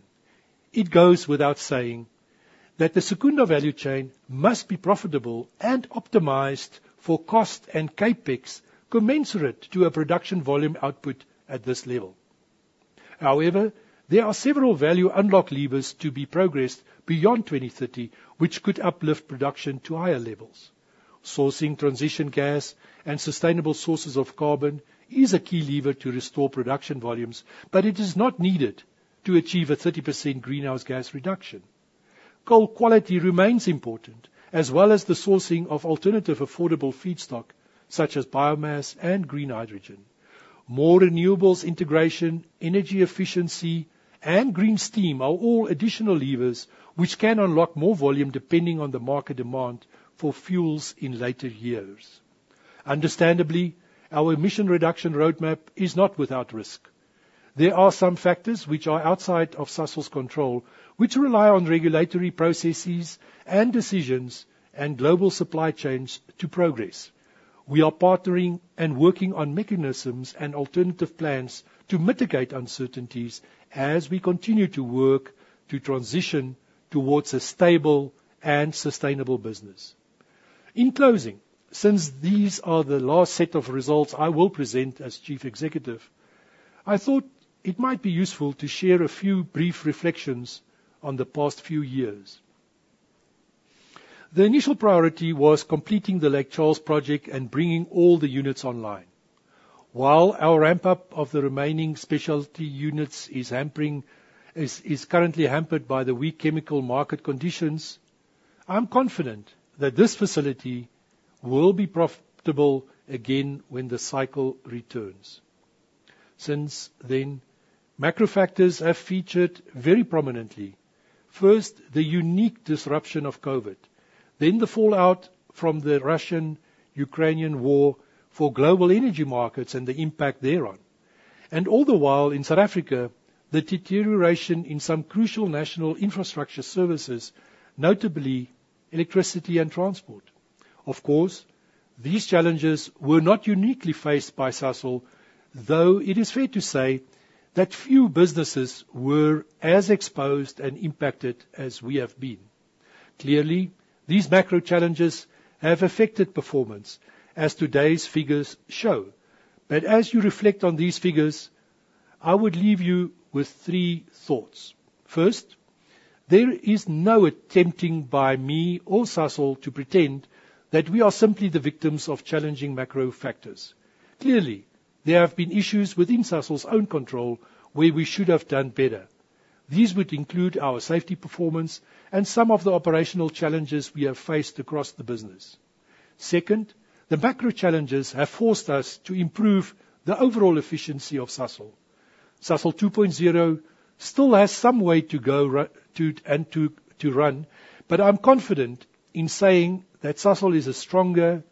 It goes without saying that the Secunda value chain must be profitable and optimized for cost and CapEx commensurate to a production volume output at this level. However, there are several value unlock levers to be progressed beyond 2030, which could uplift production to higher levels. Sourcing transition gas and sustainable sources of carbon is a key lever to restore production volumes, but it is not needed to achieve a 30% greenhouse gas reduction. Coal quality remains important, as well as the sourcing of alternative, affordable feedstock, such as biomass and green hydrogen. More renewables integration, energy efficiency, and green steam are all additional levers which can unlock more volume, depending on the market demand for fuels in later years. Understandably, our Emissions Reduction Roadmap is not without risk. There are some factors which are outside of Sasol's control, which rely on regulatory processes and decisions and global supply chains to progress. We are partnering and working on mechanisms and alternative plans to mitigate uncertainties as we continue to work to transition towards a stable and sustainable business. In closing, since these are the last set of results I will present as Chief Executive, I thought it might be useful to share a few brief reflections on the past few years. The initial priority was completing the Lake Charles project and bringing all the units online. While our ramp-up of the remaining specialty units is currently hampered by the weak chemical market conditions, I'm confident that this facility will be profitable again when the cycle returns. Since then, macro factors have featured very prominently. First, the unique disruption of COVID, then the fallout from the Russian-Ukrainian war for global energy markets and the impact thereon, and all the while, in South Africa, the deterioration in some crucial national infrastructure services, notably electricity and transport. Of course, these challenges were not uniquely faced by Sasol, though it is fair to say that few businesses were as exposed and impacted as we have been. Clearly, these macro challenges have affected performance, as today's figures show. But as you reflect on these figures, I would leave you with three thoughts. First, there is no attempting by me or Sasol to pretend that we are simply the victims of challenging macro factors. Clearly, there have been issues within Sasol's own control where we should have done better. These would include our safety performance and some of the operational challenges we have faced across the business. Second, the macro challenges have forced us to improve the overall efficiency of Sasol. Sasol 2.0 still has some way to go to run, but I'm confident in saying that Sasol is a stronger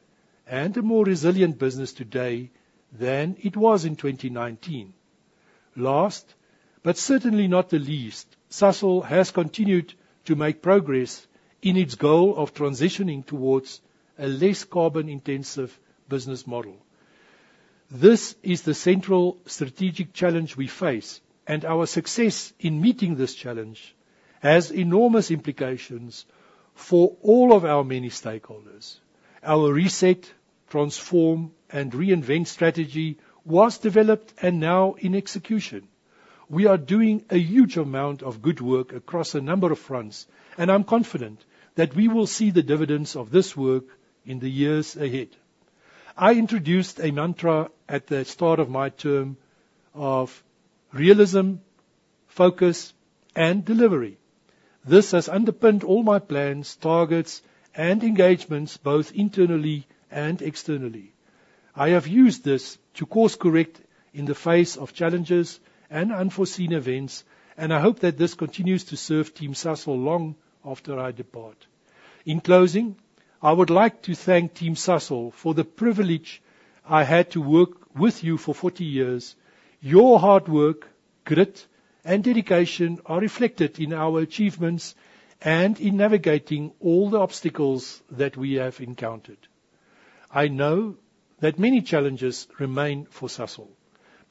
and a more resilient business today than it was in 2019. Last, but certainly not the least, Sasol has continued to make progress in its goal of transitioning towards a less carbon-intensive business model. This is the central strategic challenge we face, and our success in meeting this challenge has enormous implications for all of our many stakeholders. Our reset, transform, and reinvent strategy was developed and now in execution. We are doing a huge amount of good work across a number of fronts, and I'm confident that we will see the dividends of this work in the years ahead. I introduced a mantra at the start of my term of realism, focus, and delivery. This has underpinned all my plans, targets, and engagements, both internally and externally. I have used this to course-correct in the face of challenges and unforeseen events, and I hope that this continues to serve Team Sasol long after I depart. In closing, I would like to thank Team Sasol for the privilege I had to work with you for 40 years. Your hard work, grit, and dedication are reflected in our achievements and in navigating all the obstacles that we have encountered. I know that many challenges remain for Sasol,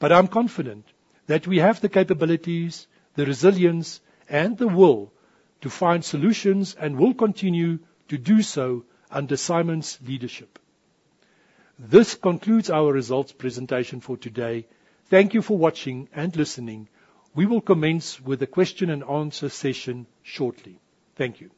but I'm confident that we have the capabilities, the resilience, and the will to find solutions, and will continue to do so under Simon's leadership. This concludes our results presentation for today. Thank you for watching and listening. We will commence with the question and answer session shortly. Thank you.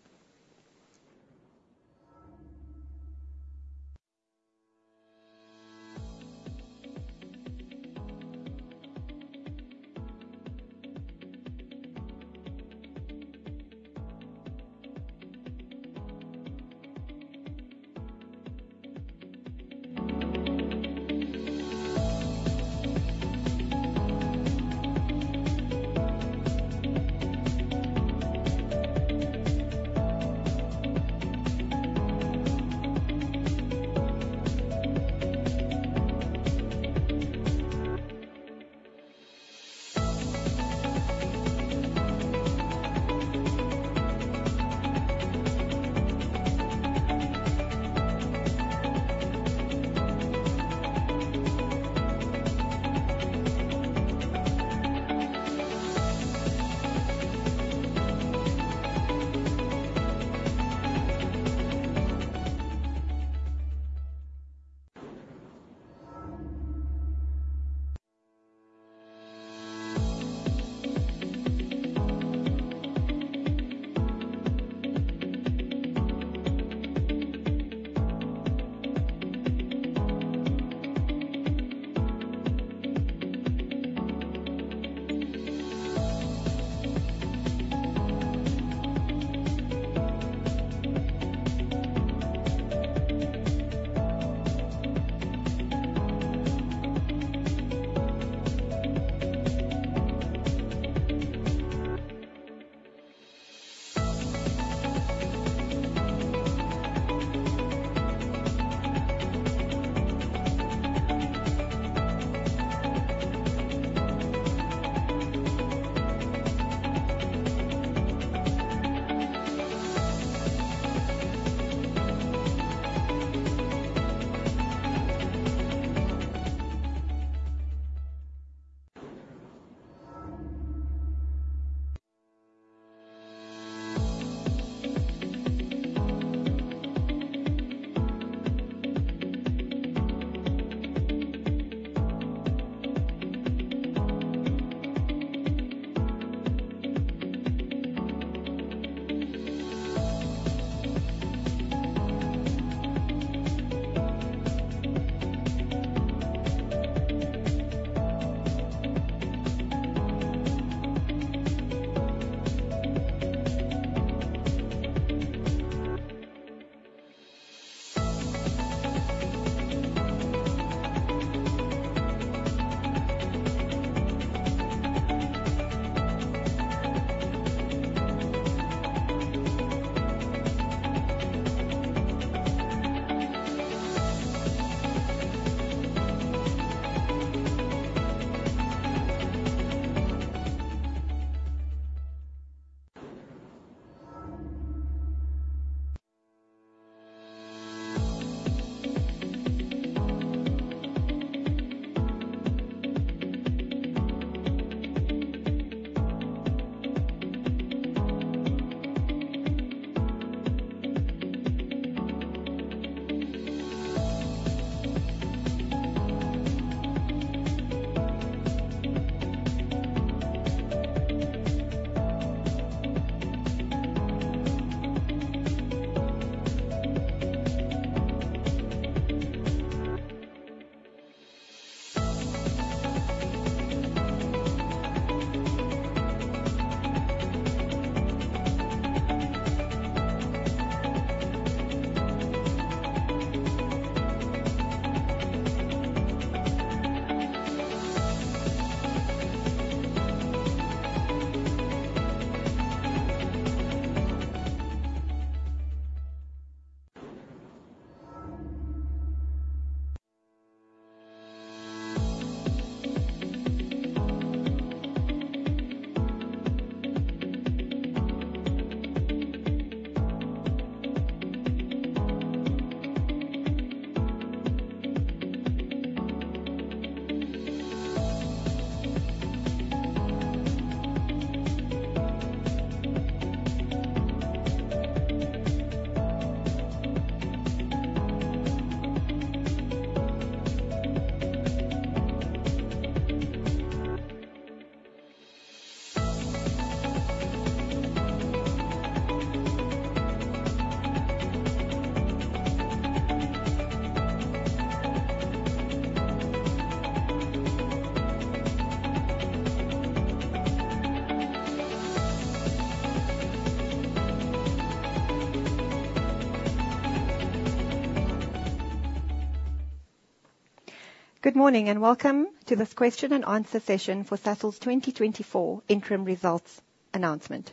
Good morning, and welcome to this question and answer session for Sasol's 2024 interim results announcement.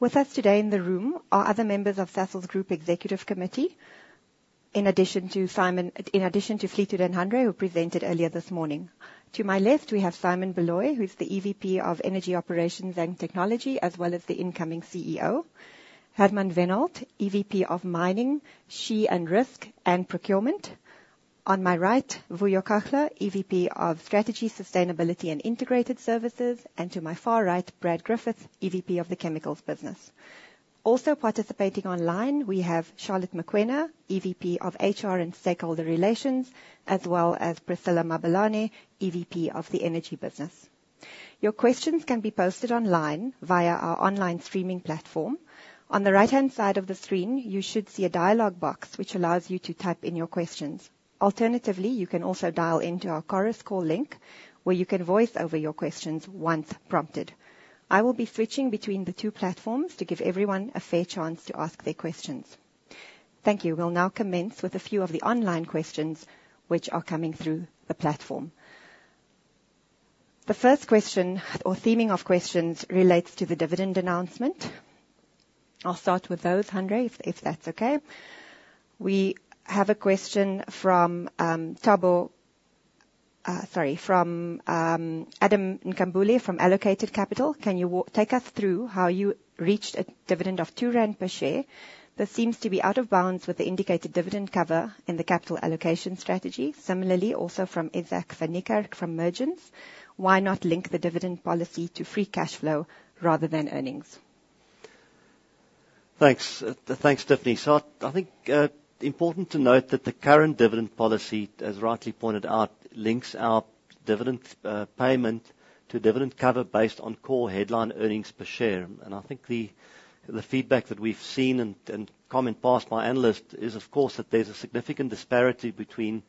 With us today in the room are other members of Sasol's Group Executive Committee, in addition to Simon-- in addition to Fleetwood and Hanré, who presented earlier this morning. To my left, we have Simon Baloyi, who's the EVP of Energy Operations and Technology, as well as the incoming CEO. Hermann Wenhold, EVP of Mining, Safety and Risk, and Procurement. On my right, Vuyo Kahla, EVP of Strategy, Sustainability, and Integrated Services, and to my far right, Brad Griffith, EVP of the Chemicals Business. Also participating online, we have Charlotte Mokoena, EVP of HR and Stakeholder Relations, as well as Priscillah Mabelane, EVP of the Energy Business. Your questions can be posted online via our online streaming platform. On the right-hand side of the screen, you should see a dialogue box, which allows you to type in your questions. Alternatively, you can also dial into our chorus call link, where you can voice over your questions once prompted. I will be switching between the two platforms to give everyone a fair chance to ask their questions. Thank you. We'll now commence with a few of the online questions, which are coming through the platform. The first question or theming of questions relates to the dividend announcement. I'll start with those, Hanré, if that's okay. We have a question from Adam Nkambule, from Allocated Capital. Can you take us through how you reached a dividend of 2 rand per share? This seems to be out of bounds with the indicated dividend cover in the capital allocation strategy. Similarly, also from Isaac Memory from Merchants: Why not link the dividend policy to free cash flow rather than earnings? Thanks, Tiffany. So I think, important to note that the current dividend policy, as rightly pointed out, links our dividend payment to dividend cover based on core headline earnings per share. And I think the, the feedback that we've seen and, and comment passed by analysts is, of course, that there's a significant disparity between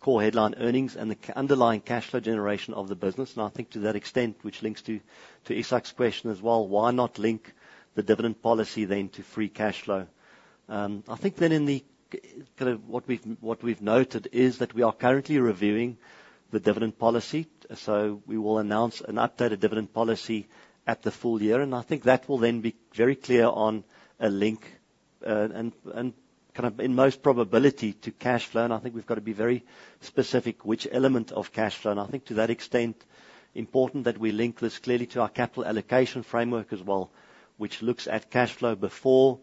core headline earnings and the underlying cash flow generation of the business. And I think to that extent, which links to, to Isaac's question as well, why not link the dividend policy then to free cash flow? I think then in the kind of what we've noted is that we are currently reviewing the dividend policy, so we will announce an updated dividend policy at the full year, and I think that will then be very clear on a link and kind of in most probability to cash flow, and I think we've got to be very specific which element of cash flow. I think to that extent, important that we link this clearly to our capital allocation framework as well, which looks at cash flow before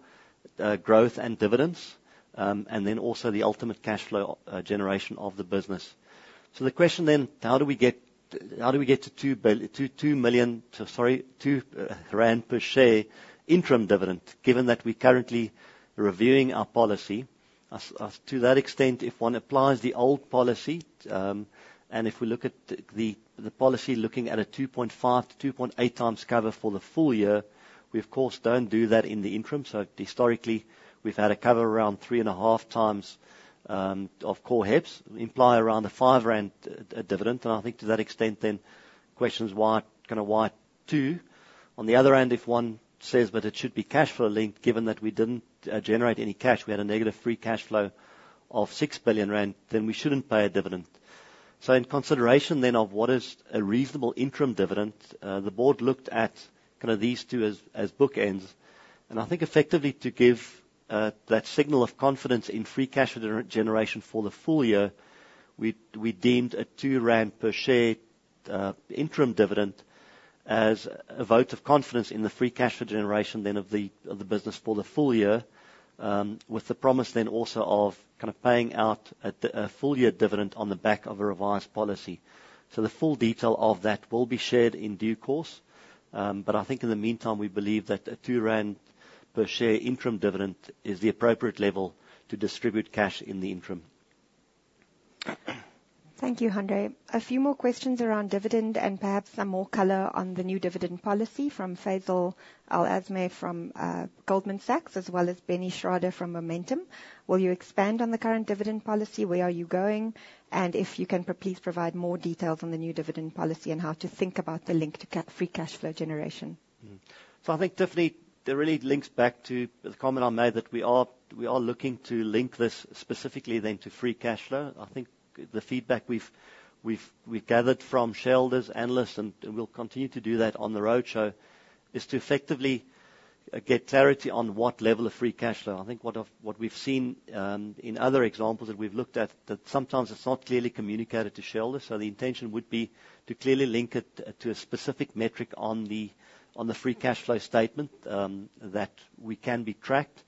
growth and dividends, and then also the ultimate cash flow generation of the business. So the question then, how do we get to 2 per share interim dividend, given that we're currently reviewing our policy. As to that extent, if one applies the old policy, and if we look at the policy, looking at a 2.5x-2.8x cover for the full year, we of course don't do that in the interim. So historically, we've had a cover around 3.5x of Core HEPS, imply around a 5 rand dividend. And I think to that extent, the question is why, kind of, why two? On the other hand, if one says that it should be cash flow linked, given that we didn't generate any cash, we had a negative free cash flow of 6 billion rand, then we shouldn't pay a dividend. In consideration then of what is a reasonable interim dividend, the board looked at kind of these two as, as bookends, and I think effectively to give, that signal of confidence in free cash generation for the full year, we, we deemed a 2 rand per share, interim dividend as a vote of confidence in the free cash flow generation then of the, of the business for the full year, with the promise then also of kind of paying out a full year dividend on the back of a revised policy. So the full detail of that will be shared in due course, but I think in the meantime, we believe that a 2 rand per share interim dividend is the appropriate level to distribute cash in the interim. Thank you, Hanré. A few more questions around dividend and perhaps some more color on the new dividend policy from Faisal Al-Azmeh, from Goldman Sachs, as well as Benny Schrader from Momentum. Will you expand on the current dividend policy? Where are you going? And if you can please provide more details on the new dividend policy and how to think about the link to free cash flow generation. So I think, Tiffany, that really links back to the comment I made, that we are looking to link this specifically then to free cash flow. I think the feedback we've gathered from shareholders, analysts, and we'll continue to do that on the roadshow, is to effectively get clarity on what level of free cash flow. I think what we've seen in other examples that we've looked at, that sometimes it's not clearly communicated to shareholders. So the intention would be to clearly link it to a specific metric on the free cash flow statement, that we can be tracked.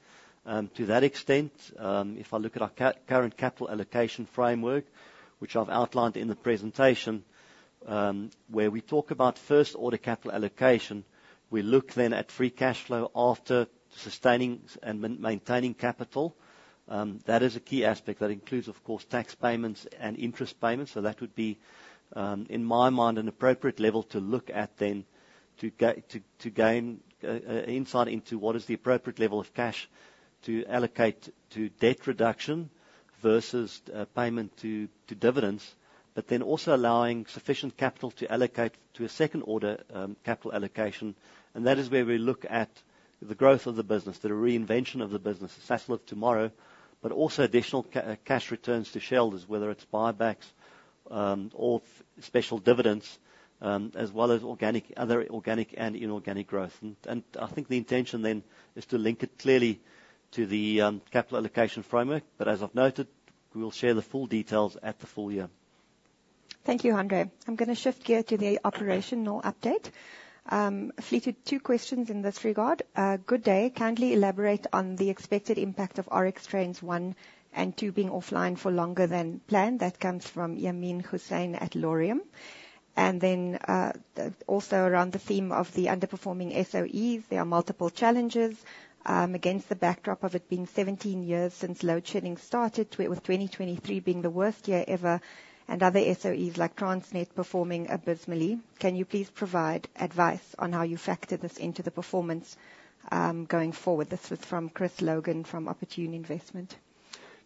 To that extent, if I look at our current capital allocation framework, which I've outlined in the presentation, where we talk about first order capital allocation, we look then at free cash flow after sustaining and maintaining capital. That is a key aspect. That includes, of course, tax payments and interest payments, so that would be, in my mind, an appropriate level to look at then, to gain insight into what is the appropriate level of cash to allocate to debt reduction versus payment to dividends. But then also allowing sufficient capital to allocate to a second order capital allocation, and that is where we look at the growth of the business, the reinvention of the business, Sasol of tomorrow, but also additional cash returns to shareholders, whether it's buybacks or special dividends, as well as organic and inorganic growth. And I think the intention then is to link it clearly to the capital allocation framework, but as I've noted, we will share the full details at the full year. Thank you, Hanré. I'm gonna shift gear to the operational update. Fleetwood, two questions in this regard. Good day. Kindly elaborate on the expected impact of Oryx Trains One and Two being offline for longer than planned. That comes from Yameen Hussein at Laurium. And then, also around the theme of the underperforming SOEs, there are multiple challenges, against the backdrop of it being 17 years since load shedding started, with 2023 being the worst year ever, and other SOEs, like Transnet, performing abysmally. Can you please provide advice on how you factor this into the performance, going forward? This was from Chris Logan from Opportune Investment.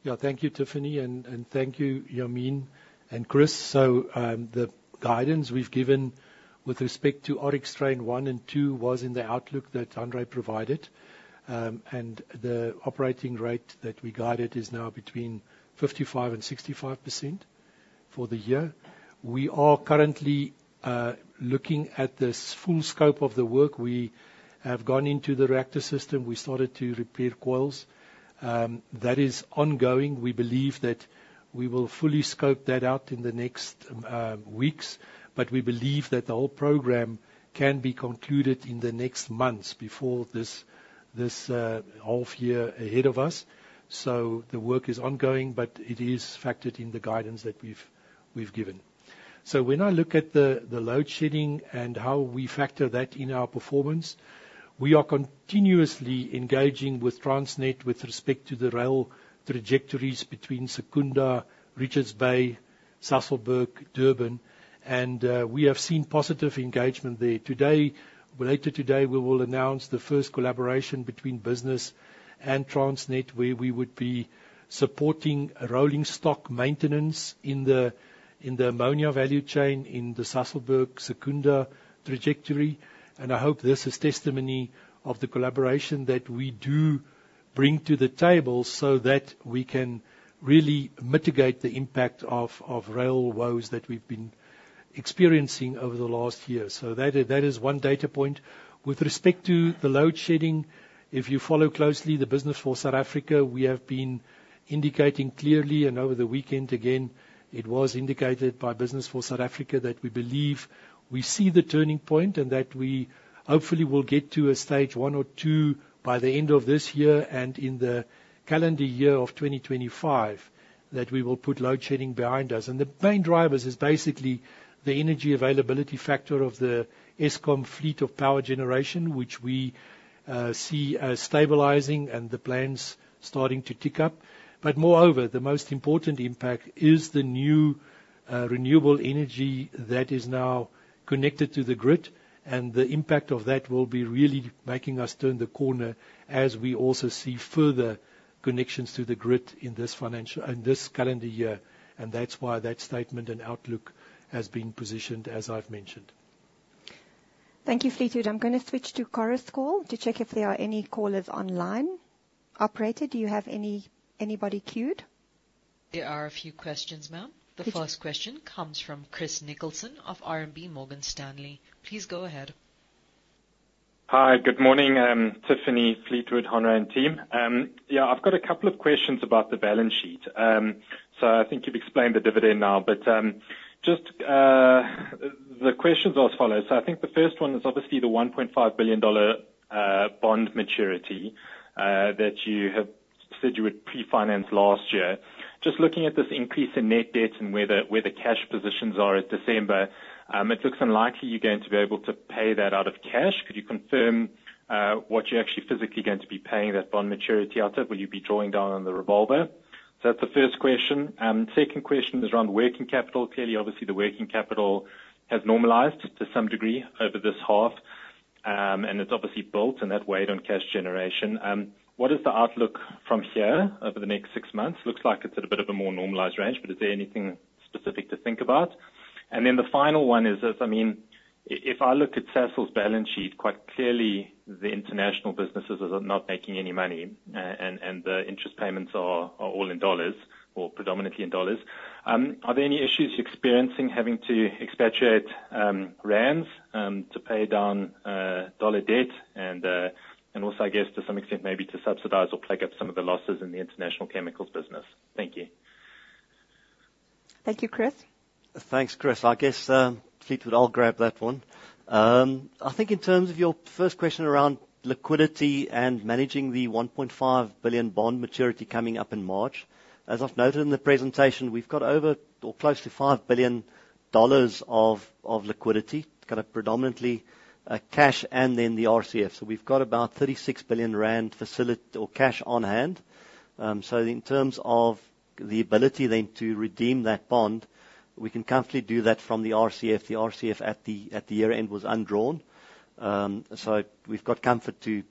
Yeah. Thank you, Tiffany, and thank you, Yamin and Chris. So, the guidance we've given with respect to Oryx Train One and Two was in the outlook that Hanré provided. And the operating rate that we guided is now between 55% and 65% for the year. We are currently looking at this full scope of the work. We have gone into the reactor system. We started to repair coils. That is ongoing. We believe that we will fully scope that out in the next weeks, but we believe that the whole program can be concluded in the next months before this half year ahead of us. So the work is ongoing, but it is factored in the guidance that we've given. So when I look at the load shedding and how we factor that in our performance, we are continuously engaging with Transnet with respect to the rail trajectories between Secunda, Richards Bay, Sasolburg, Durban, and we have seen positive engagement there. Today, later today, we will announce the first collaboration between business and Transnet, where we would be supporting rolling stock maintenance in the ammonia value chain, in the Sasolburg-Secunda trajectory. And I hope this is testimony of the collaboration that we do bring to the table, so that we can really mitigate the impact of rail woes that we've been experiencing over the last year. So that is one data point. With respect to the load shedding, if you follow closely, the Business for South Africa, we have been indicating clearly, and over the weekend again, it was indicated by Business for South Africa, that we believe we see the turning point, and that we hopefully will get to a stage one or two by the end of this year, and in the calendar year of 2025, that we will put load shedding behind us. The main drivers is basically the energy availability factor of the Eskom fleet of power generation, which we see as stabilizing and the plans starting to tick up. But moreover, the most important impact is the new renewable energy that is now connected to the grid, and the impact of that will be really making us turn the corner as we also see further connections to the grid in this financial... In this calendar year, and that's why that statement and outlook has been positioned as I've mentioned. Thank you, Fleetwood. I'm gonna switch to chorus call to check if there are any callers online. Operator, do you have anybody queued? There are a few questions, ma'am. Thank you. The first question comes from Chris Nicholson of RMB Morgan Stanley. Please go ahead. Hi, good morning, Tiffany, Fleetwood, Hanré, and team. Yeah, I've got a couple of questions about the balance sheet. So I think you've explained the dividend now, but just the questions are as follows: So I think the first one is obviously the $1.5 billion bond maturity that you have said you would pre-finance last year. Just looking at this increase in net debt and where the cash positions are at December, it looks unlikely you're going to be able to pay that out of cash. Could you confirm what you're actually physically going to be paying that bond maturity out of? Will you be drawing down on the revolver? So that's the first question. Second question is around working capital. Clearly, obviously, the working capital has normalized to some degree over this half, and it's obviously built in that weighed on cash generation. What is the outlook from here over the next six months? Looks like it's at a bit of a more normalized range, but is there anything specific to think about? And then the final one is, as I mean, if I look at Sasol's balance sheet, quite clearly the international businesses are not making any money, and the interest payments are all in dollars or predominantly in dollars. Are there any issues you're experiencing having to expatriate rands to pay down dollar debt and also, I guess to some extent maybe to subsidize or plug up some of the losses in the international chemicals business? Thank you. Thank you, Chris. Thanks, Chris. I guess, Fleetwood, I'll grab that one. I think in terms of your first question around liquidity and managing the $1.5 billion bond maturity coming up in March, as I've noted in the presentation, we've got over or close to $5 billion of liquidity. Kind of predominantly, cash, and then the RCF. So we've got about 36 billion rand facility or cash on hand. So in terms of the ability then to redeem that bond, we can comfortably do that from the RCF. The RCF at the year-end was undrawn. So we've got comfort to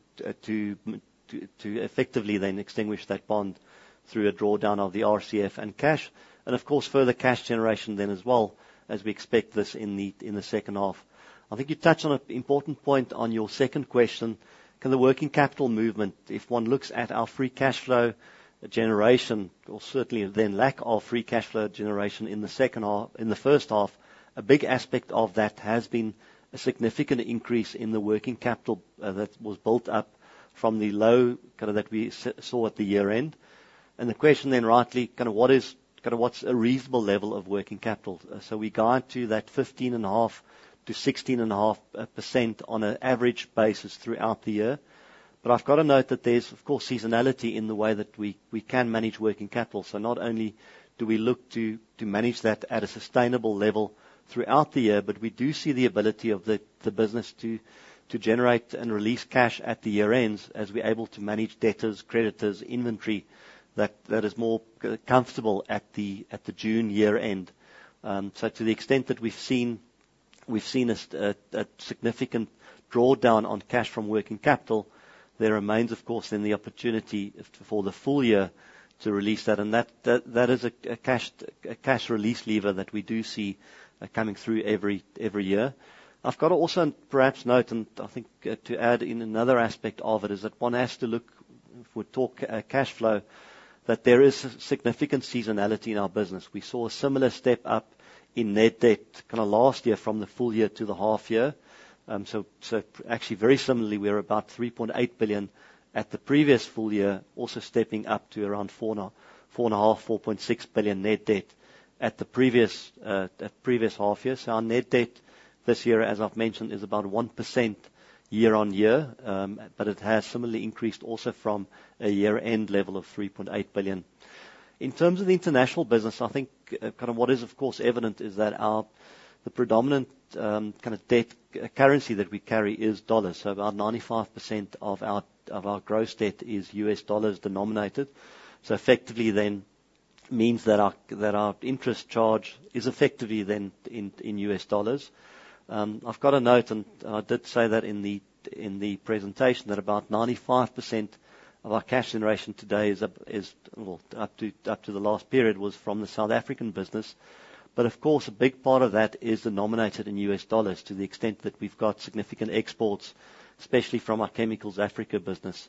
effectively then extinguish that bond through a drawdown of the RCF and cash, and of course, further cash generation then as well, as we expect this in the second half. I think you touched on an important point on your second question. Can the working capital movement. If one looks at our free cash flow generation or certainly then lack of free cash flow generation in the second half, in the first half, a big aspect of that has been a significant increase in the working capital that was built up from the low kind of that we saw at the year-end. And the question then, rightly, kind of what is, kind of what's a reasonable level of working capital? So we guide to that 15.5%-16.5% on an average basis throughout the year. But I've got to note that there's, of course, seasonality in the way that we can manage working capital. So not only do we look to manage that at a sustainable level throughout the year, but we do see the ability of the business to generate and release cash at the year-ends, as we're able to manage debtors, creditors, inventory, that is more comfortable at the June year-end. So to the extent that we've seen a significant drawdown on cash from working capital, there remains, of course, then the opportunity for the full year to release that, and that is a cash release lever that we do see coming through every year. I've got to also perhaps note, and I think, to add in another aspect of it, is that one has to look, if we talk, cash flow, that there is significant seasonality in our business. We saw a similar step up in net debt kinda last year from the full year to the half year. So, so actually, very similarly, we're about 3.8 billion at the previous full year, also stepping up to around four and a half, 4.6 billion net debt at the previous, at previous half year. So our net debt this year, as I've mentioned, is about 1% year-on-year, but it has similarly increased also from a year-end level of 3.8 billion. In terms of the international business, I think, kind of what is, of course, evident is that our... The predominant, kinda debt currency that we carry is dollars. So about 95% of our, of our gross debt is US dollars denominated. So effectively then, means that our, that our interest charge is effectively then in, in US dollars. I've got a note, and I did say that in the, in the presentation, that about 95% of our cash generation today is up, is, well, up to, up to the last period, was from the South African business. But of course, a big part of that is denominated in US dollars, to the extent that we've got significant exports, especially from our Chemicals Africa business.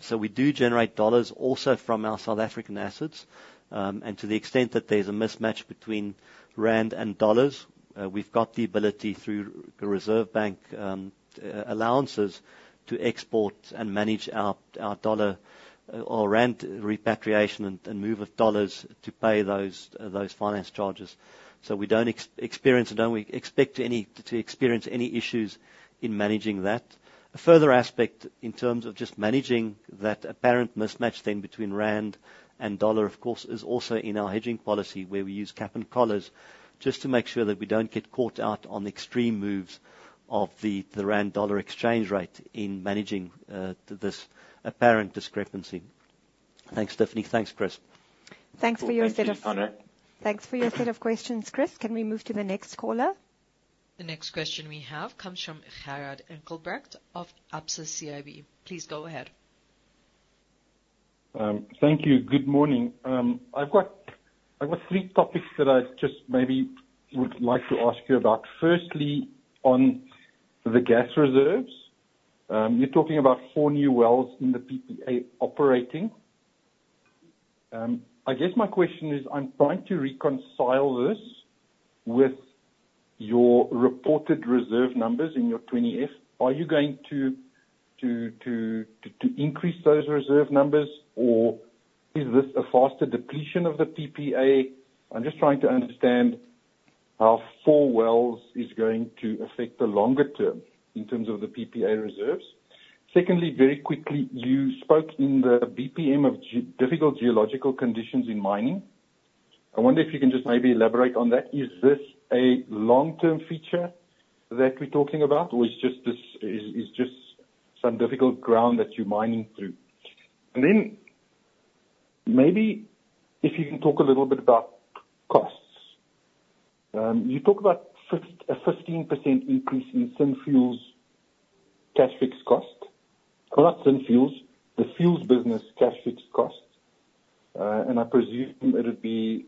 So we do generate dollars also from our South African assets. And to the extent that there's a mismatch between rand and dollars, we've got the ability, through the reserve bank, allowances, to export and manage our dollar or rand repatriation and move of dollars to pay those finance charges. So we don't experience and don't expect any, to experience any issues in managing that. A further aspect in terms of just managing that apparent mismatch then between rand and dollar, of course, is also in our hedging policy, where we use cap and collars just to make sure that we don't get caught out on extreme moves of the rand/dollar exchange rate in managing this apparent discrepancy. Thanks, Tiffany. Thanks, Chris. Thanks for your set of- Thank you. Thanks for your set of questions, Chris. Can we move to the next caller? The next question we have comes from Gerhard Engelbrecht of Absa CIB. Please go ahead. Thank you. Good morning. I've got three topics that I just maybe would like to ask you about. Firstly, on the gas reserves. You're talking about four new wells in the PPA operating. I guess my question is, I'm trying to reconcile this with your reported reserve numbers in your 20-F. Are you going to increase those reserve numbers, or is this a faster depletion of the PPA? I'm just trying to understand how four wells is going to affect the longer term in terms of the PPA reserves. Secondly, very quickly, you spoke in the BPM of difficult geological conditions in mining. I wonder if you can just maybe elaborate on that. Is this a long-term feature that we're talking about, or it's just this, just some difficult ground that you're mining through? And then maybe if you can talk a little bit about costs. You talked about a 15% increase in Synfuels' cash fixed cost, or not Synfuels, the Fuels business cash fixed cost. And I presume it would be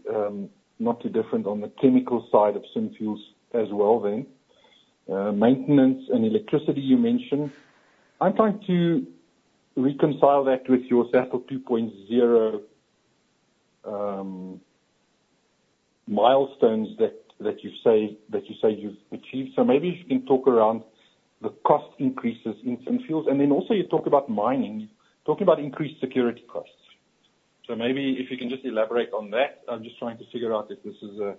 not too different on the chemicals side of Synfuels as well then. Maintenance and electricity, you mentioned. I'm trying to reconcile that with your Sasol 2.0 milestones that, that you say, that you say you've achieved. So maybe if you can talk around the cost increases in some fuels, and then also you talk about mining, you talk about increased security costs. So maybe if you can just elaborate on that. I'm just trying to figure out if this is a,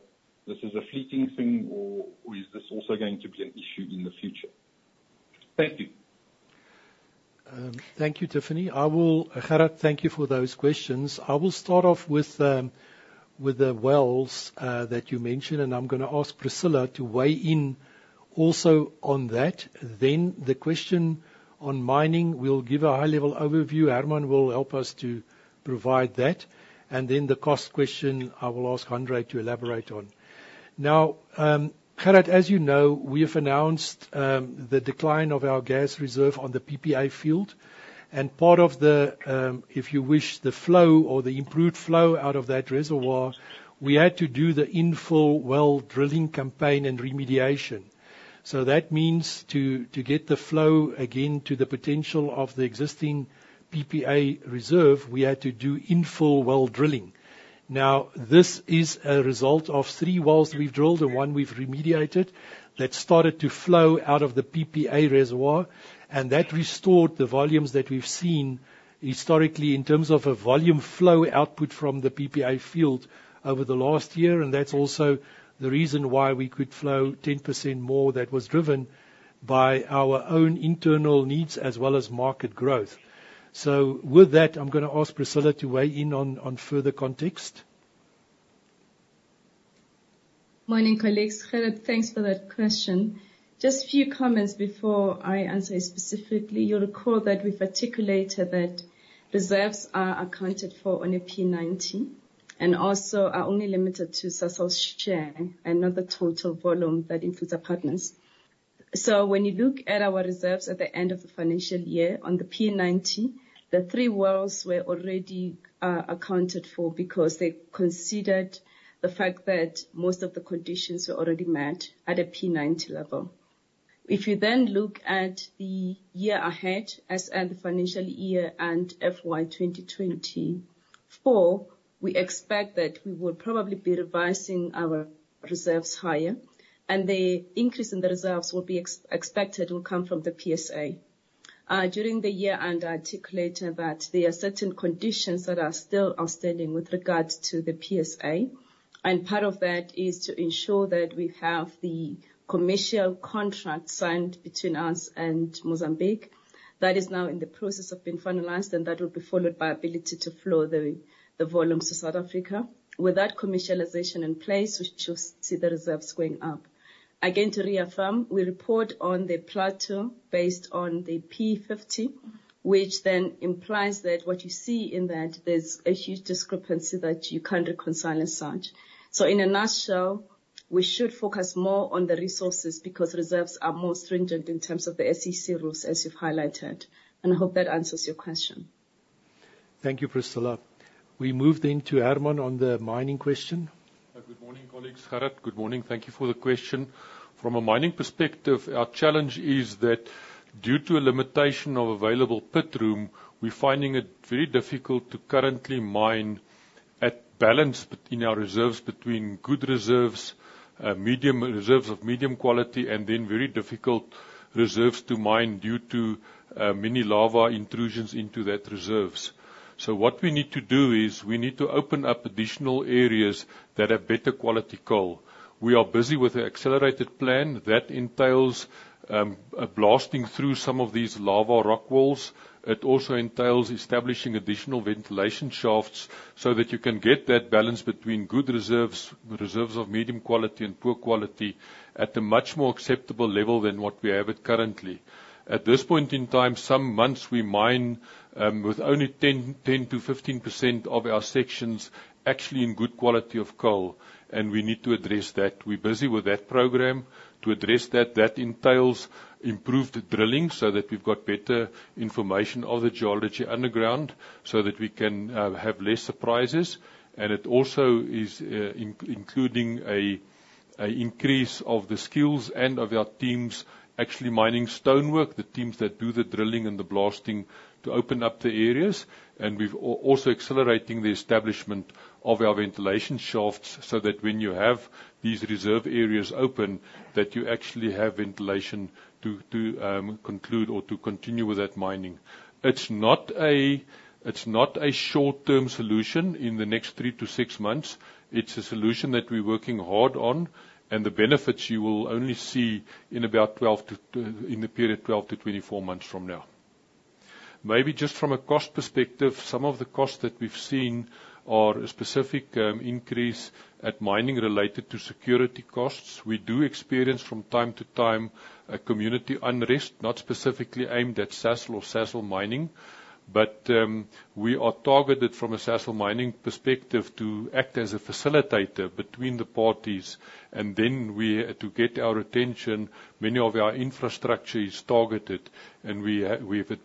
this is a fleeting thing, or, or is this also going to be an issue in the future? Thank you. Thank you, Tiffany. I will—Gerhard, thank you for those questions. I will start off with the wells that you mentioned, and I'm gonna ask Priscillah to weigh in also on that. Then the question on mining, we'll give a high-level overview. Hermann will help us to provide that, and then the cost question, I will ask Hanré to elaborate on. Now, Gerhard, as you know, we have announced the decline of our gas reserve on the PPA field, and part of the, if you wish, the flow or the improved flow out of that reservoir, we had to do the infill well drilling campaign and remediation. So that means to get the flow again to the potential of the existing PPA reserve, we had to do infill well drilling. Now, this is a result of three wells we've drilled and one we've remediated, that started to flow out of the PPA reservoir, and that restored the volumes that we've seen historically in terms of a volume flow output from the PPA field over the last year, and that's also the reason why we could flow 10% more that was driven by our own internal needs as well as market growth. So with that, I'm gonna ask Priscillah to weigh in on, on further context. Morning, colleagues. Gerhard, thanks for that question. Just few comments before I answer specifically. You'll recall that we articulated that reserves are accounted for on a P90, and also are only limited to Sasol's share and not the total volume that includes our partners. So when you look at our reserves at the end of the financial year on the P90, the three wells were already accounted for because they considered the fact that most of the conditions were already met at a P90 level. If you then look at the year ahead, as at the financial year and FY 2024, we expect that we will probably be revising our reserves higher, and the increase in the reserves will be expected will come from the PSA. During the year and articulated that there are certain conditions that are still outstanding with regards to the PSA, and part of that is to ensure that we have the commercial contract signed between us and Mozambique. That is now in the process of being finalized, and that will be followed by ability to flow the volumes to South Africa. With that commercialization in place, we should see the reserves going up. Again, to reaffirm, we report on the plateau based on the P50, which then implies that what you see in that, there's a huge discrepancy that you can't reconcile as such. So in a nutshell, we should focus more on the resources because reserves are more stringent in terms of the SEC rules, as you've highlighted, and I hope that answers your question. Thank you, Priscillah. We move then to Hermann on the mining question. Good morning, colleagues. Gerrit, good morning. Thank you for the question. From a mining perspective, our challenge is that due to a limitation of available pit room, we're finding it very difficult to currently mine at balance between our reserves, between good reserves, medium reserves of medium quality, and then very difficult reserves to mine due to many lava intrusions into that reserves. So what we need to do is, we need to open up additional areas that have better quality coal. We are busy with an accelerated plan that entails, blasting through some of these lava rock walls. It also entails establishing additional ventilation shafts, so that you can get that balance between good reserves, reserves of medium quality and poor quality, at a much more acceptable level than what we have it currently. At this point in time, some months we mine with only 10%-15% of our sections actually in good quality of coal, and we need to address that. We're busy with that program. To address that, that entails improved drilling, so that we've got better information of the geology underground, so that we can have less surprises. And it also is including a increase of the skills and of our teams actually mining stonework, the teams that do the drilling and the blasting to open up the areas. And we've also accelerating the establishment of our ventilation shafts, so that when you have these reserve areas open, that you actually have ventilation to conclude or to continue with that mining. It's not a short-term solution in the next three to six months. It's a solution that we're working hard on, and the benefits you will only see in about 12-24 months from now. Maybe just from a cost perspective, some of the costs that we've seen are a specific increase at mining-related to security costs. We do experience from time to time a community unrest, not specifically aimed at Sasol or Sasol mining, but we are targeted from a Sasol mining perspective to act as a facilitator between the parties, and then we to get our attention, many of our infrastructure is targeted, and we have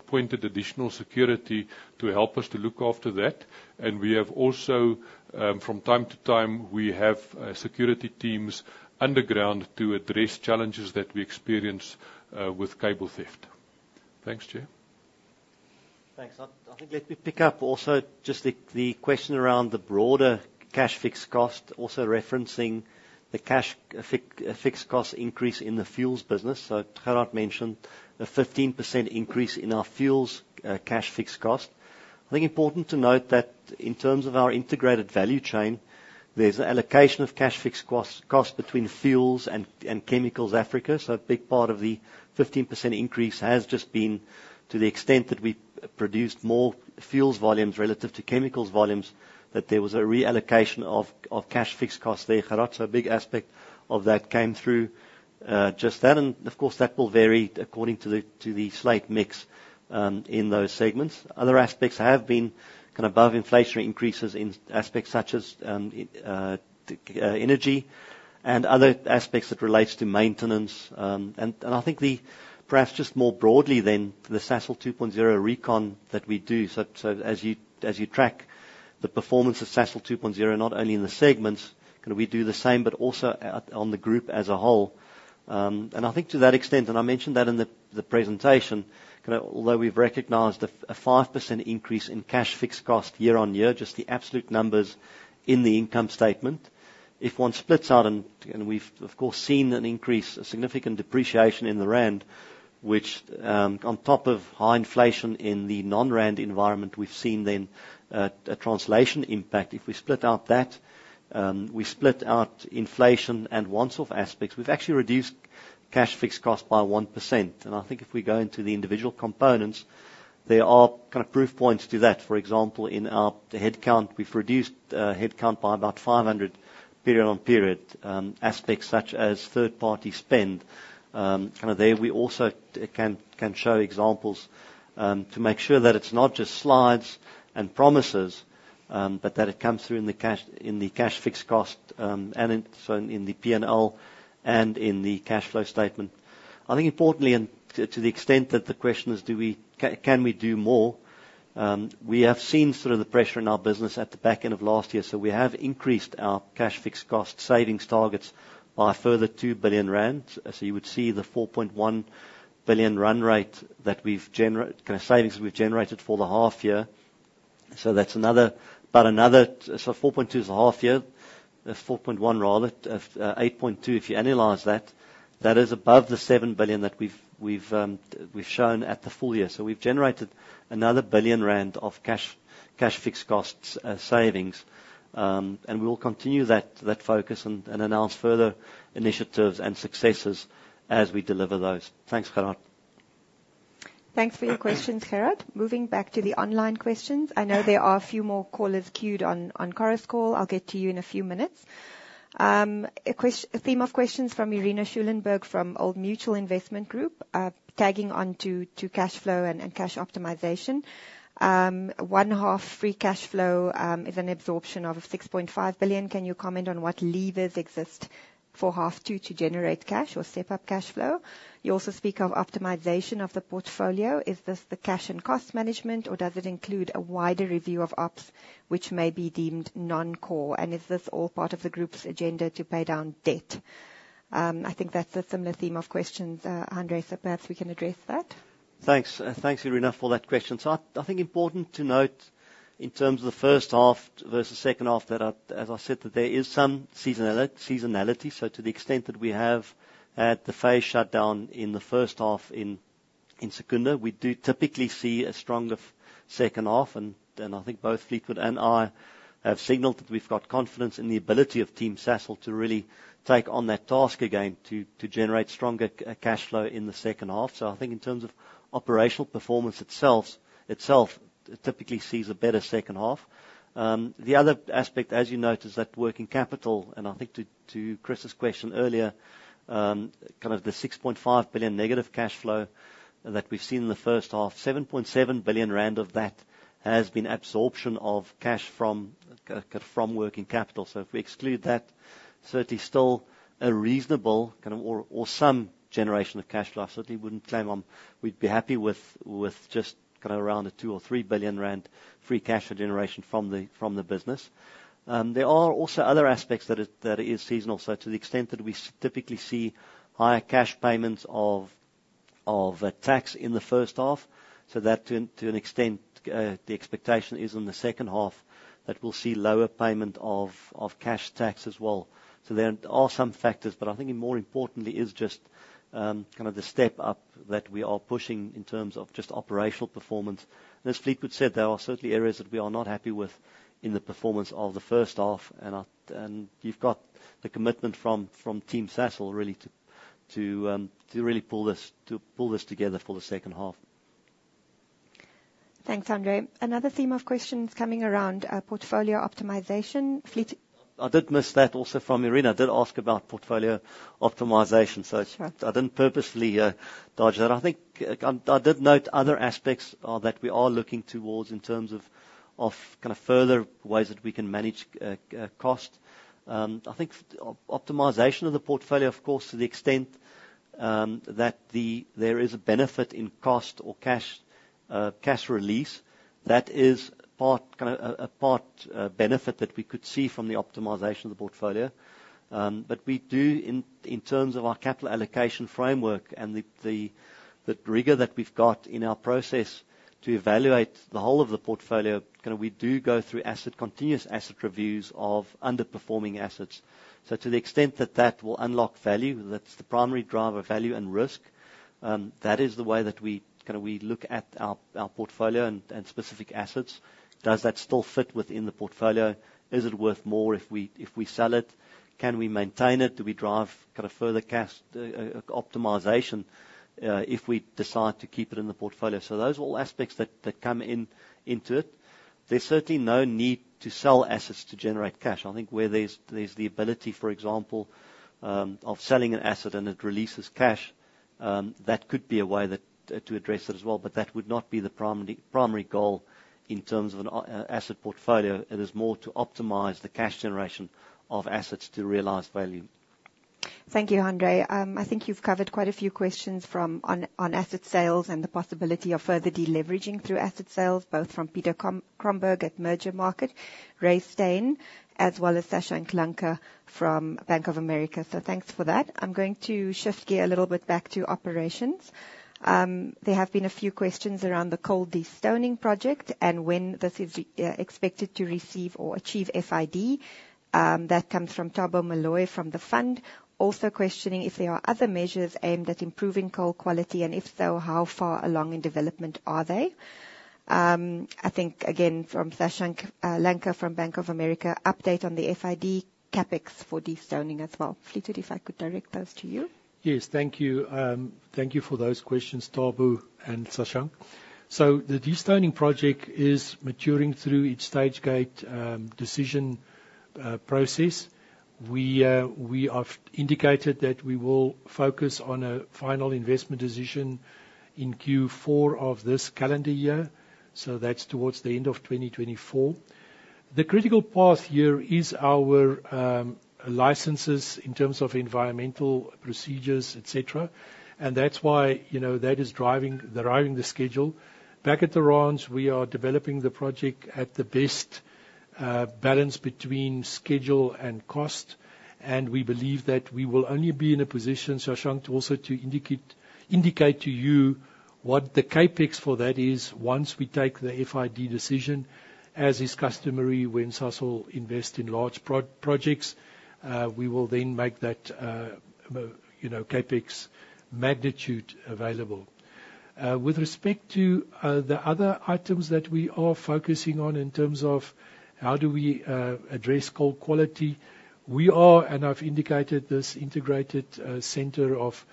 appointed additional security to help us to look after that. And we have also from time to time we have security teams underground to address challenges that we experience with cable theft. Thanks, Gerhard. Thanks. I think let me pick up also just the question around the broader cash fixed cost, also referencing the cash fixed cost increase in the fuels business. So Gerhard mentioned a 15% increase in our fuels cash fixed cost. I think important to note that in terms of our integrated value chain, there's an allocation of cash fixed costs between fuels and chemicals Africa. So a big part of the 15% increase has just been to the extent that we produced more fuels volumes relative to chemicals volumes, that there was a reallocation of cash fixed costs there, Gerhard. So a big aspect of that came through just that, and of course, that will vary according to the slate mix in those segments. Other aspects have been kind of above-inflation increases in aspects such as energy and other aspects that relates to maintenance. I think perhaps just more broadly then, the Sasol 2.0 recon that we do. So as you track the performance of Sasol 2.0, not only in the segments, can we do the same, but also on the group as a whole. And I think to that extent, and I mentioned that in the presentation, kind of although we've recognized a 5% increase in cash fixed cost year-on-year, just the absolute numbers in the income statement, if one splits out and we've of course seen an increase, a significant depreciation in the rand, which on top of high inflation in the non-rand environment, we've seen then a translation impact. If we split out that, we split out inflation and one-off aspects, we've actually reduced cash fixed cost by 1%. And I think if we go into the individual components, there are kind of proof points to that. For example, in our headcount, we've reduced headcount by about 500 period-on-period. Aspects such as third party spend. Kind of there, we also can show examples to make sure that it's not just slides and promises, but that it comes through in the cash fixed cost and in the P&L and in the cash flow statement. I think importantly, to the extent that the question is, do we can we do more? We have seen sort of the pressure in our business at the back end of last year, so we have increased our cash fixed cost savings targets by a further 2 billion rand. So you would see the 4.1 billion run rate that we've generated kind of savings we've generated for the half year. So that's another, but another. So 4.2 is a half year, 4.1, rather. 8.2, if you annualize that, that is above the 7 billion that we've shown at the full year. So we've generated another 1 billion rand of cash fixed costs savings. And we'll continue that focus and announce further initiatives and successes as we deliver those. Thanks, Gerhard. Thanks for your question, Gerhard. Moving back to the online questions, I know there are a few more callers queued on Chorus Call. I'll get to you in a few minutes. A theme of questions from Irina Schulenburg, from Old Mutual Investment Group. Tagging on to cash flow and cash optimization. One half free cash flow is an absorption of 6.5 billion. Can you comment on what levers exist for half two to generate cash or step up cash flow? You also speak of optimization of the portfolio. Is this the cash and cost management, or does it include a wider review of ops which may be deemed non-core? And is this all part of the group's agenda to pay down debt? I think that's a similar theme of questions, Hanré, so perhaps we can address that. Thanks. Thanks, Irina, for that question. So I think important to note, in terms of the first half versus second half, that I... As I said, that there is some seasonality, seasonality. So to the extent that we have at the phase shutdown in the first half in Secunda, we do typically see a stronger second half, and I think both Fleetwood and I have signaled that we've got confidence in the ability of Team Sasol to really take on that task again, to generate stronger cash flow in the second half. So I think in terms of operational performance itself, it typically sees a better second half. The other aspect, as you note, is that working capital, and I think to Chris's question earlier, the 6.5 billion negative cash flow that we've seen in the first half, 7.7 billion rand of that has been absorption of cash from working capital. So if we exclude that, certainly still a reasonable, or some generation of cash flow. I certainly wouldn't claim them. We'd be happy with just around 2 billion-3 billion rand free cash generation from the business. There are also other aspects that it is seasonal. So to the extent that we typically see higher cash payments of tax in the first half, so that to an extent, the expectation is in the second half, that we'll see lower payment of cash tax as well. So there are some factors, but I think more importantly is just kind of the step up that we are pushing in terms of just operational performance. As Fleetwood said, there are certainly areas that we are not happy with in the performance of the first half, and you've got the commitment from Team Sasol really to really pull this together for the second half. Thanks, Hanré. Another theme of questions coming around, portfolio optimization, Fleet- I did miss that also from Irina, did ask about portfolio optimization, so- Sure. I didn't purposely dodge that. I think I did note other aspects that we are looking towards in terms of kind of further ways that we can manage cost. I think optimization of the portfolio, of course, to the extent that there is a benefit in cost or cash release. That is part, kind of a part benefit that we could see from the optimization of the portfolio. But we do in terms of our capital allocation framework and the rigor that we've got in our process to evaluate the whole of the portfolio, kind of we do go through continuous asset reviews of underperforming assets. So to the extent that that will unlock value, that's the primary driver, value and risk, that is the way that we kinda look at our portfolio and specific assets. Does that still fit within the portfolio? Is it worth more if we sell it, can we maintain it? Do we drive kind of further cash optimization if we decide to keep it in the portfolio? So those are all aspects that come into it. There's certainly no need to sell assets to generate cash. I think where there's the ability, for example, of selling an asset and it releases cash, that could be a way to address it as well, but that would not be the primary goal in terms of an asset portfolio. It is more to optimize the cash generation of assets to realize value. Thank you, Hanré. I think you've covered quite a few questions on asset sales and the possibility of further deleveraging through asset sales, both from Peter Cromberge at Merger Market, Ray Stein, as well as Sashank Lanka from Bank of America. So thanks for that. I'm going to shift gear a little bit back to operations. There have been a few questions around the coal destoning project and when this is expected to receive or achieve FID. That comes from Thabo Moloi from The Fund.Also questioning if there are other measures aimed at improving coal quality, and if so, how far along in development are they? I think again, from Shashank Lanka from Bank of America, update on the FID CapEx for destoning as well. Fleetwood, if I could direct those to you. Yes, thank you. Thank you for those questions, Thabo and Sashank. So the destoning project is maturing through each stage gate decision process. We have indicated that we will focus on a final investment decision in Q4 of this calendar year, so that's towards the end of 2024. The critical path here is our licenses in terms of environmental procedures, et cetera, and that's why, you know, that is driving the schedule. Back at the range, we are developing the project at the best balance between schedule and cost, and we believe that we will only be in a position, Shashank, to also indicate to you what the CapEx for that is, once we take the FID decision, as is customary, when Sasol invest in large projects, we will then make that, you know, CapEx magnitude available. With respect to the other items that we are focusing on in terms of how do we address coal quality, we are, and I've indicated this integrated center of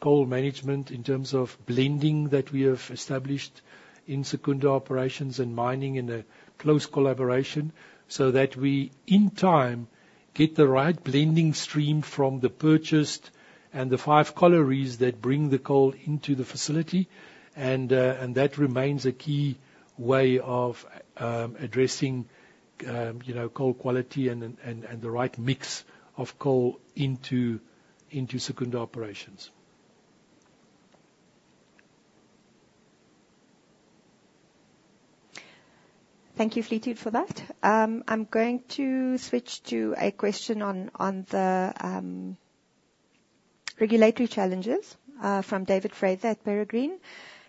coal management in terms of blending that we have established in Secunda Operations and Mining in a close collaboration, so that we, in time, get the right blending stream from the purchased and the five collieries that bring the coal into the facility. And that remains a key way of addressing, you know, coal quality and the right mix of coal into Secunda operations. Thank you, Fleetwood, for that. I'm going to switch to a question on the regulatory challenges from David Fraser at Peregrine.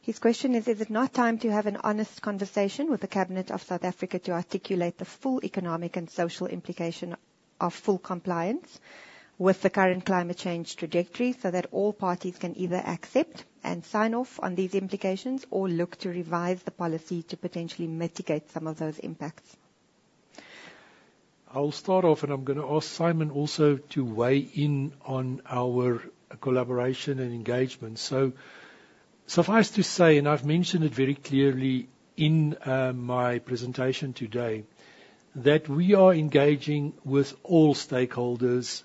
His question is: Is it not time to have an honest conversation with the Cabinet of South Africa to articulate the full economic and social implication of full compliance with the current climate change trajectory, so that all parties can either accept and sign off on these implications or look to revise the policy to potentially mitigate some of those impacts? I'll start off, and I'm gonna ask Simon also to weigh in on our collaboration and engagement. So suffice to say, and I've mentioned it very clearly in my presentation today, that we are engaging with all stakeholders.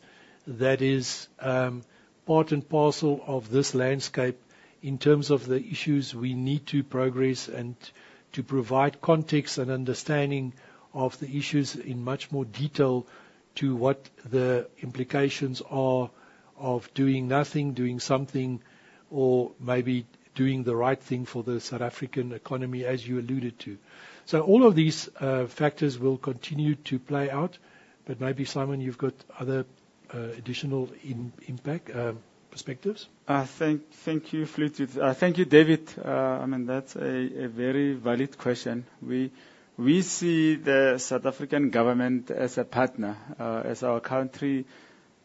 That is part and parcel of this landscape in terms of the issues we need to progress and to provide context and understanding of the issues in much more detail to what the implications are of doing nothing, doing something, or maybe doing the right thing for the South African economy, as you alluded to. So all of these factors will continue to play out, but maybe, Simon, you've got other additional impact perspectives. Thank you, Fleetwood. Thank you, David. I mean, that's a very valid question. We see the South African government as a partner, as our country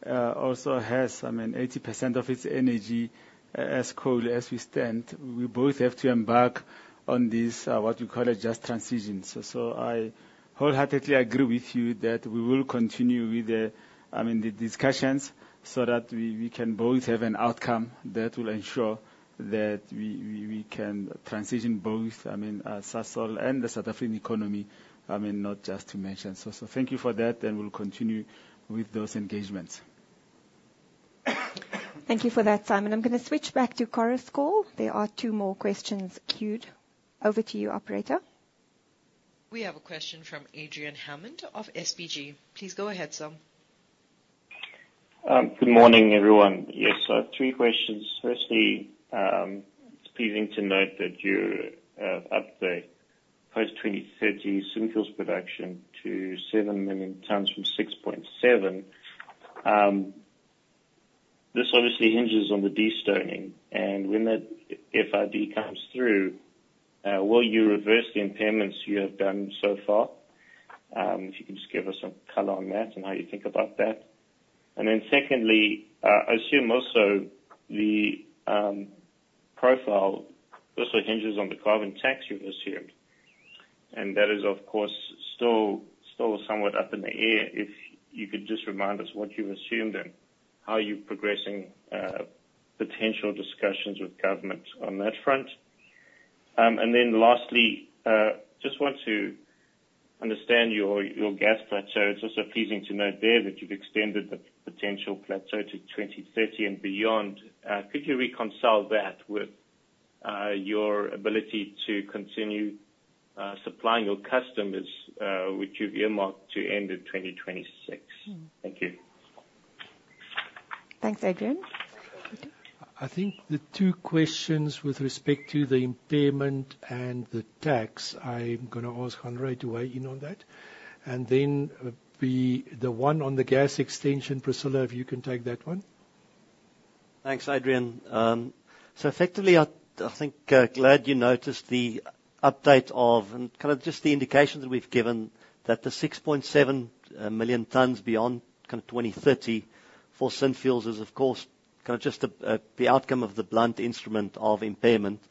also has, I mean, 80% of its energy as coal as we stand. We both have to embark on this, what you call a just transition. So I wholeheartedly agree with you that we will continue with the, I mean, discussions so that we can both have an outcome that will ensure that we can transition both, I mean, Sasol and the South African economy, I mean, not just to mention. So thank you for that, and we'll continue with those engagements. Thank you for that, Simon. I'm gonna switch back to Chorus Call. There are two more questions queued. Over to you, operator. We have a question from Adrian Hammond of SBG. Please go ahead, sir. Good morning, everyone. Yes, so I have three questions. Firstly, it's pleasing to note that you upped the post-2030 synfuels production to 7 million tons from 6.7 million tons. This obviously hinges on the destoning, and when that FID comes through, will you reverse the impairments you have done so far? If you can just give us some color on that and how you think about that. And then secondly, I assume also the profile also hinges on the carbon tax you've assumed, and that is, of course, still somewhat up in the air. If you could just remind us what you assumed and how you're progressing potential discussions with government on that front. And then lastly, just want to understand your gas plateau. It's also pleasing to note there that you've extended the potential plateau to 2030 and beyond. Could you reconcile that with your ability to continue supplying your customers, which you've earmarked to end in 2026? Thank you. Thanks, Adrian. Fleetwood? I think the two questions with respect to the impairment and the tax, I'm gonna ask Hanré to weigh in on that, and then, the one on the gas extension, Priscilla, if you can take that one. Thanks, Adrian. So effectively, I think glad you noticed the update of... and kind of just the indication that we've given, that the 6.7 million tons beyond kinda 2030 for Synfuels is, of course, kinda just the outcome of the blunt instrument of impairment,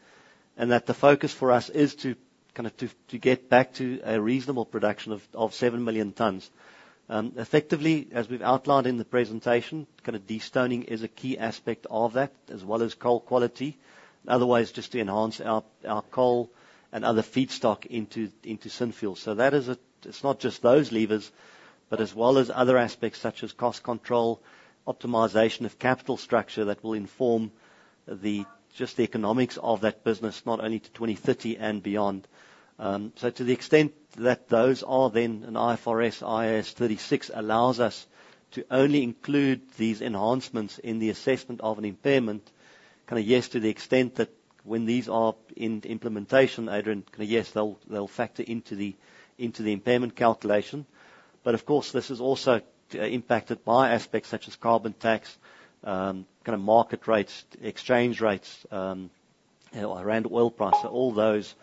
and that the focus for us is to kinda to get back to a reasonable production of 7 million tons. Effectively, as we've outlined in the presentation, kinda Destoning is a key aspect of that, as well as coal quality, otherwise just to enhance our coal and other feedstock into Synfuels. So that is, it's not just those levers, but as well as other aspects, such as cost control, optimization of capital structure, that will inform the, just the economics of that business, not only to 2030 and beyond. So to the extent that those are then an IFRS, IAS 36 allows us to only include these enhancements in the assessment of an impairment, kinda, yes, to the extent that when these are in implementation, Adrian, kinda, yes, they'll, they'll factor into the, into the impairment calculation. But of course, this is also impacted by aspects such as carbon tax, kinda market rates, exchange rates, you know, around oil price. So all those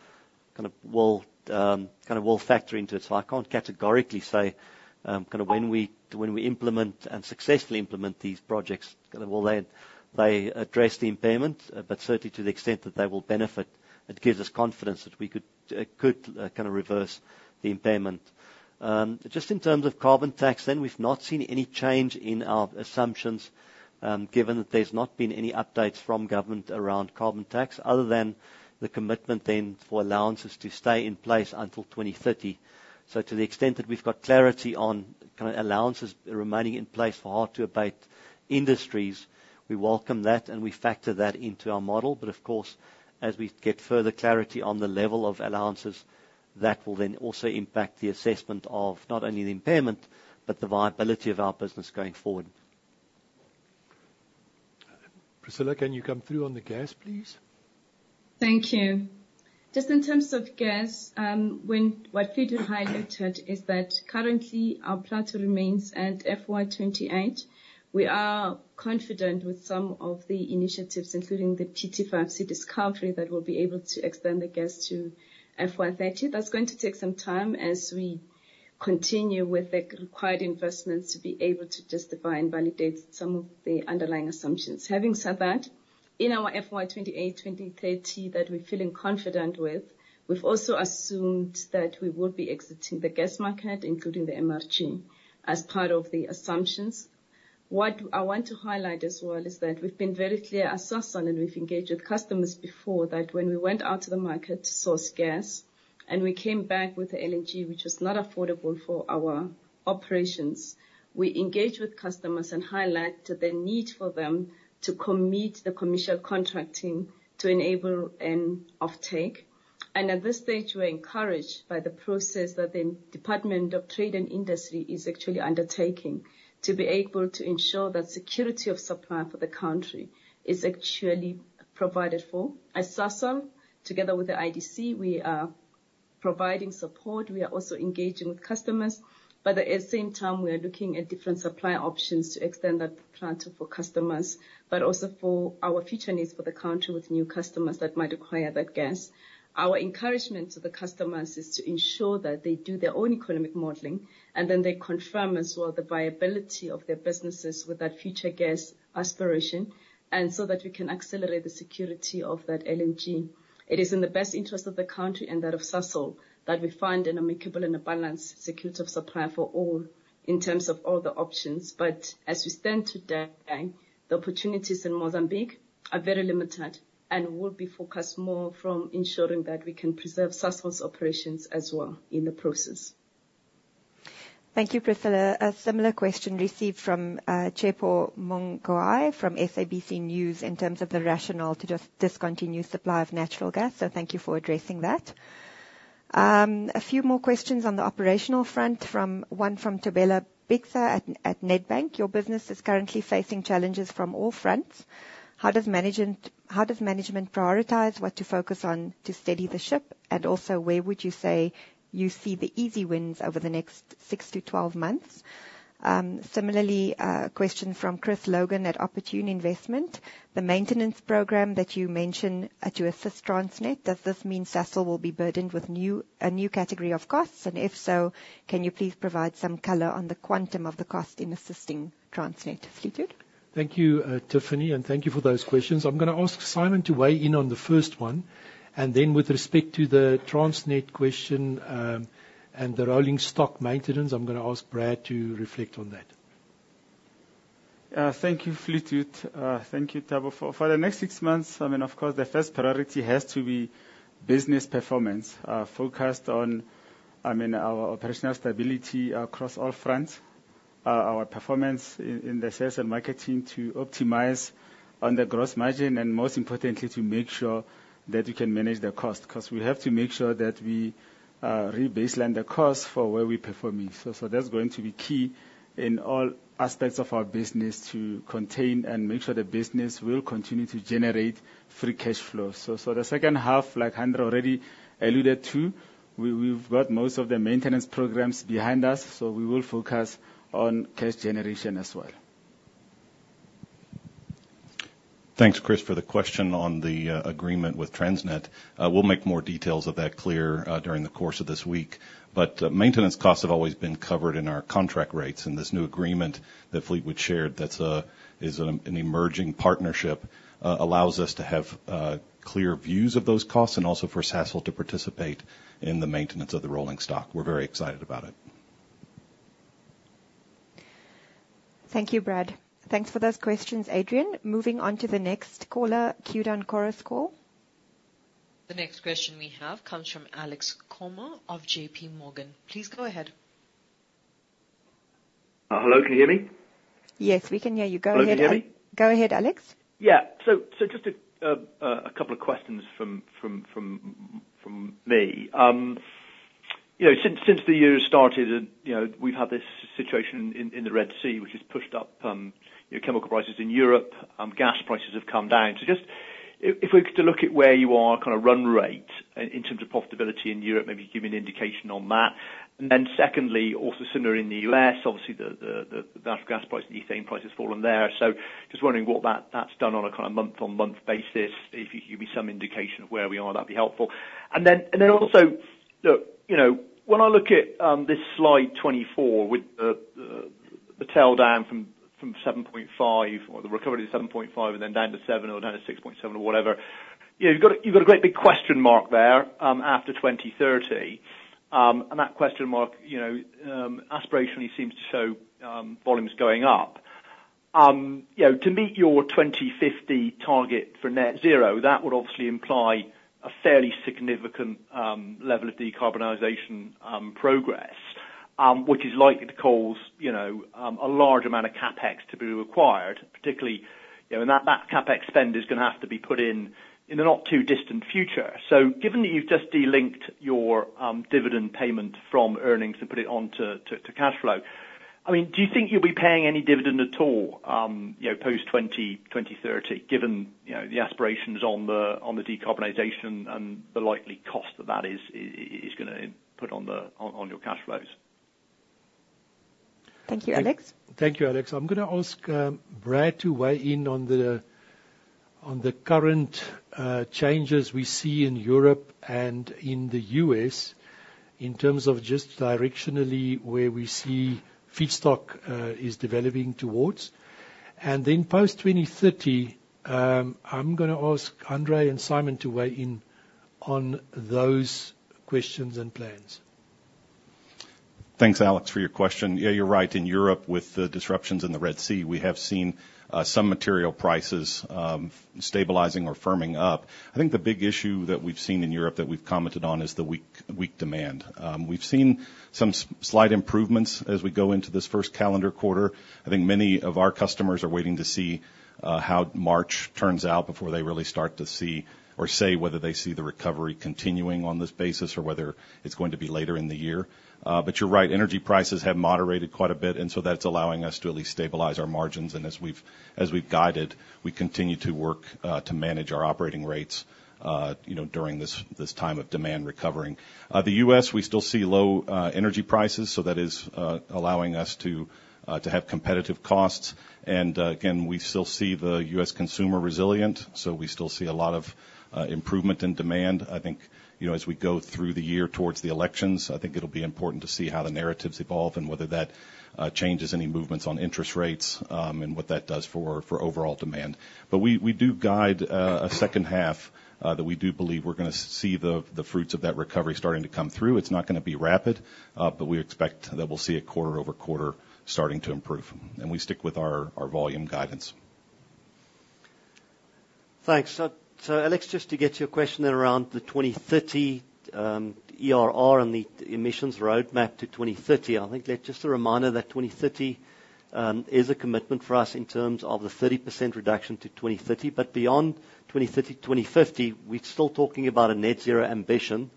kind of will factor into it, so I can't categorically say kind of when we, when we implement and successfully implement these projects, kind of will they, they address the impairment, but certainly to the extent that they will benefit, it gives us confidence that we could, could, kind of reverse the impairment. Just in terms of carbon tax, then, we've not seen any change in our assumptions, given that there's not been any updates from government around carbon tax, other than the commitment then for allowances to stay in place until 2030. So to the extent that we've got clarity on kind of allowances remaining in place for hard-to-abate industries, we welcome that, and we factor that into our model. But of course, as we get further clarity on the level of allowances, that will then also impact the assessment of not only the impairment, but the viability of our business going forward. Priscillah, can you come through on the gas, please? Thank you. Just in terms of gas, what Peter highlighted is that currently, our plateau remains at FY 2028. We are confident with some of the initiatives, including the PT5-C discovery, that we'll be able to extend the gas to FY 2030. That's going to take some time as we continue with the required investments to be able to just define and validate some of the underlying assumptions. Having said that, in our FY 2028-2030 that we're feeling confident with, we've also assumed that we will be exiting the gas market, including the MRG, as part of the assumptions. What I want to highlight as well is that we've been very clear at Sasol, and we've engaged with customers before, that when we went out to the market to source gas, and we came back with the LNG, which is not affordable for our operations, we engaged with customers and highlighted the need for them to commit the commercial contracting to enable an offtake. And at this stage, we're encouraged by the process that the Department of Trade and Industry is actually undertaking to be able to ensure that security of supply for the country is actually provided for. At Sasol, together with the IDC, we are providing support. We are also engaging with customers, but at the same time, we are looking at different supply options to extend that plateau for customers, but also for our future needs for the country with new customers that might acquire that gas. Our encouragement to the customers is to ensure that they do their own economic modeling, and then they confirm as well the viability of their businesses with that future gas aspiration, and so that we can accelerate the security of that LNG. It is in the best interest of the country and that of Sasol, that we find an amicable and a balanced security of supply for all in terms of all the options. But as we stand today, the opportunities in Mozambique are very limited and will be focused more from ensuring that we can preserve Sasol's operations as well in the process. Thank you, Priscillah. A similar question received from Tshepo Mokoae from SABC News in terms of the rationale to just discontinue supply of natural gas, so thank you for addressing that... A few more questions on the operational front from one from Thobeka Biksha at Nedbank. Your business is currently facing challenges from all fronts. How does management prioritize what to focus on to steady the ship? And also, where would you say you see the easy wins over the next six to twelve months? Similarly, a question from Chris Logan at Opportune Investment: The maintenance program that you mentioned to assist Transnet, does this mean Sasol will be burdened with a new category of costs? And if so, can you please provide some color on the quantum of the cost in assisting Transnet? Fleetwood? Thank you, Tiffany, and thank you for those questions. I'm gonna ask Simon to weigh in on the first one, and then with respect to the Transnet question, and the rolling stock maintenance, I'm gonna ask Brad to reflect on that. Thank you, Fleetwood. Thank you, Thabo. For the next six months, I mean, of course, the first priority has to be business performance, focused on, I mean, our operational stability across all fronts, our performance in the sales and marketing to optimize on the gross margin, and most importantly, to make sure that we can manage the cost. 'Cause we have to make sure that we rebaseline the cost for where we're performing. So that's going to be key in all aspects of our business, to contain and make sure the business will continue to generate free cash flow. So the second half, like Hanré already alluded to, we've got most of the maintenance programs behind us, so we will focus on cash generation as well. Thanks, Chris, for the question on the agreement with Transnet. We'll make more details of that clear during the course of this week. But maintenance costs have always been covered in our contract rates, and this new agreement that Fleetwood shared, that's an emerging partnership, allows us to have clear views of those costs and also for Sasol to participate in the maintenance of the rolling stock. We're very excited about it. Thank you, Brad. Thanks for those questions, Adrian. Moving on to the next caller queued on Chorus Call. The next question we have comes from Alex Comer of JP Morgan. Please go ahead. Hello, can you hear me? Yes, we can hear you. Go ahead, Alex. Hello, can you hear me? Go ahead, Alex. Yeah. So just a couple of questions from me. You know, since the year started, and you know, we've had this situation in the Red Sea, which has pushed up, you know, chemical prices in Europe, gas prices have come down. So just if we were to look at where you are, kind of run rate in terms of profitability in Europe, maybe give me an indication on that. And then secondly, also similar in the U.S., obviously, the natural gas price and the ethane price has fallen there. So just wondering what that's done on a kinda month-on-month basis. If you could give me some indication of where we are, that'd be helpful. And then also, look, you know, when I look at this slide 24, with the tail down from 7.5 million tons, or the recovery to 7.5 million tons and then down to 7 million tons or down to 6.7 million tons or whatever, you know, you've got a great big question mark there after 2030. And that question mark, you know, aspirationally seems to show volumes going up. You know, to meet your 2050 target for net zero, that would obviously imply a fairly significant level of decarbonization progress, which is likely to cause a large amount of CapEx to be required, particularly, you know. And that CapEx spend is gonna have to be put in in the not-too-distant future. So given that you've just delinked your dividend payment from earnings to put it on to cash flow, I mean, do you think you'll be paying any dividend at all, you know, post 2030, given, you know, the aspirations on the decarbonization and the likely cost that that is gonna put on the your cash flows? Thank you, Alex. Thank you, Alex. I'm gonna ask Brad to weigh in on the current changes we see in Europe and in the US, in terms of just directionally where we see feedstock is developing towards. And then post 2030, I'm gonna ask Hanré and Simon to weigh in on those questions and plans. Thanks, Alex, for your question. Yeah, you're right. In Europe, with the disruptions in the Red Sea, we have seen some material prices stabilizing or firming up. I think the big issue that we've seen in Europe that we've commented on is the weak demand. We've seen some slight improvements as we go into this first calendar quarter. I think many of our customers are waiting to see how March turns out before they really start to see or say whether they see the recovery continuing on this basis, or whether it's going to be later in the year. But you're right, energy prices have moderated quite a bit, and so that's allowing us to at least stabilize our margins. And as we've guided, we continue to work to manage our operating rates, you know, during this time of demand recovering. The US, we still see low energy prices, so that is allowing us to have competitive costs. And again, we still see the US consumer resilient, so we still see a lot of improvement in demand. I think, you know, as we go through the year towards the elections, I think it'll be important to see how the narratives evolve and whether that changes any movements on interest rates, and what that does for overall demand. But we do guide a second half that we do believe we're gonna see the fruits of that recovery starting to come through. It's not gonna be rapid, but we expect that we'll see it quarter-over-quarter starting to improve, and we stick with our, our volume guidance. Thanks. So, Alex, just to get your question around the 2030, ERR and the emissions roadmap to 2030, I think that's just a reminder that 2030 is a commitment for us in terms of the 30% reduction to 2030, but beyond 2030, 2050, we're still talking about a net zero ambition.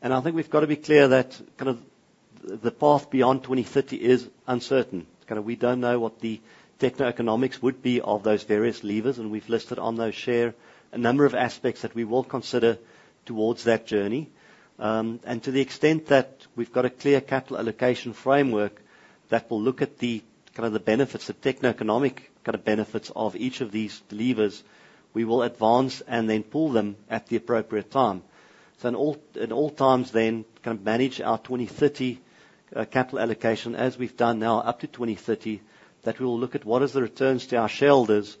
And I think we've got to be clear that kind of the path beyond 2030 is uncertain. Kind of, we don't know what the techno economics would be of those various levers, and we've listed on those share a number of aspects that we will consider towards that journey. And to the extent that we've got a clear capital allocation framework that will look at the, kind of, the benefits, the techno economic, kind of, benefits of each of these levers, we will advance and then pull them at the appropriate time. So in all, in all times then, kind of, manage our 2030, capital allocation, as we've done now up to 2030, that we will look at what is the returns to our shareholders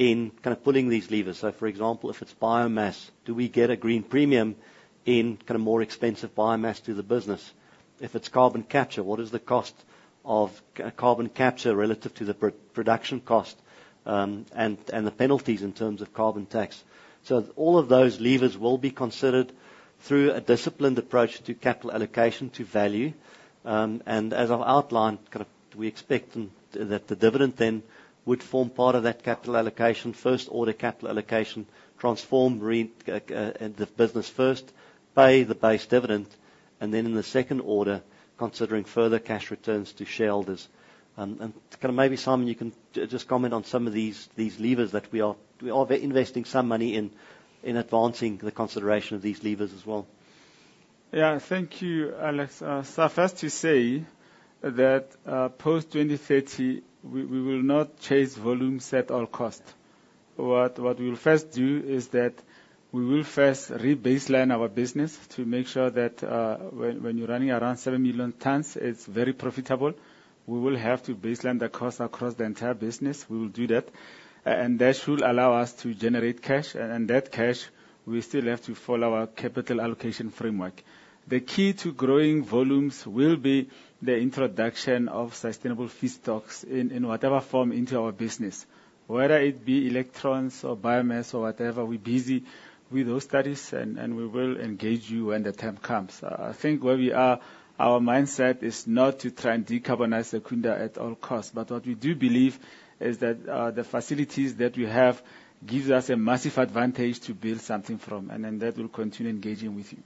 in, kind of, pulling these levers. So, for example, if it's biomass, do we get a green premium in, kind of, more expensive biomass to the business? If it's carbon capture, what is the cost of carbon capture relative to the production cost, and the penalties in terms of carbon tax? So all of those levers will be considered through a disciplined approach to capital allocation to value. And as I've outlined, kind of, we expect that the dividend then would form part of that capital allocation. First-order capital allocation, transform the business first, pay the base dividend, and then in the second order, considering further cash returns to shareholders. And, kind of, maybe, Simon, you can just comment on some of these levers that we are investing some money in advancing the consideration of these levers as well. Yeah. Thank you, Alex. So first to say that post 2030, we will not chase volumes at all costs. What we will first do is that we will first re-baseline our business to make sure that when you're running around 7 million tons, it's very profitable. We will have to baseline the cost across the entire business. We will do that, and that should allow us to generate cash, and that cash, we still have to follow our capital allocation framework. The key to growing volumes will be the introduction of sustainable feedstocks in whatever form into our business, whether it be electrons or biomass or whatever, we're busy with those studies, and we will engage you when the time comes. I think where we are, our mindset is not to try and decarbonize Secunda at all costs, but what we do believe is that, the facilities that we have, gives us a massive advantage to build something from, and then that we'll continue engaging with you.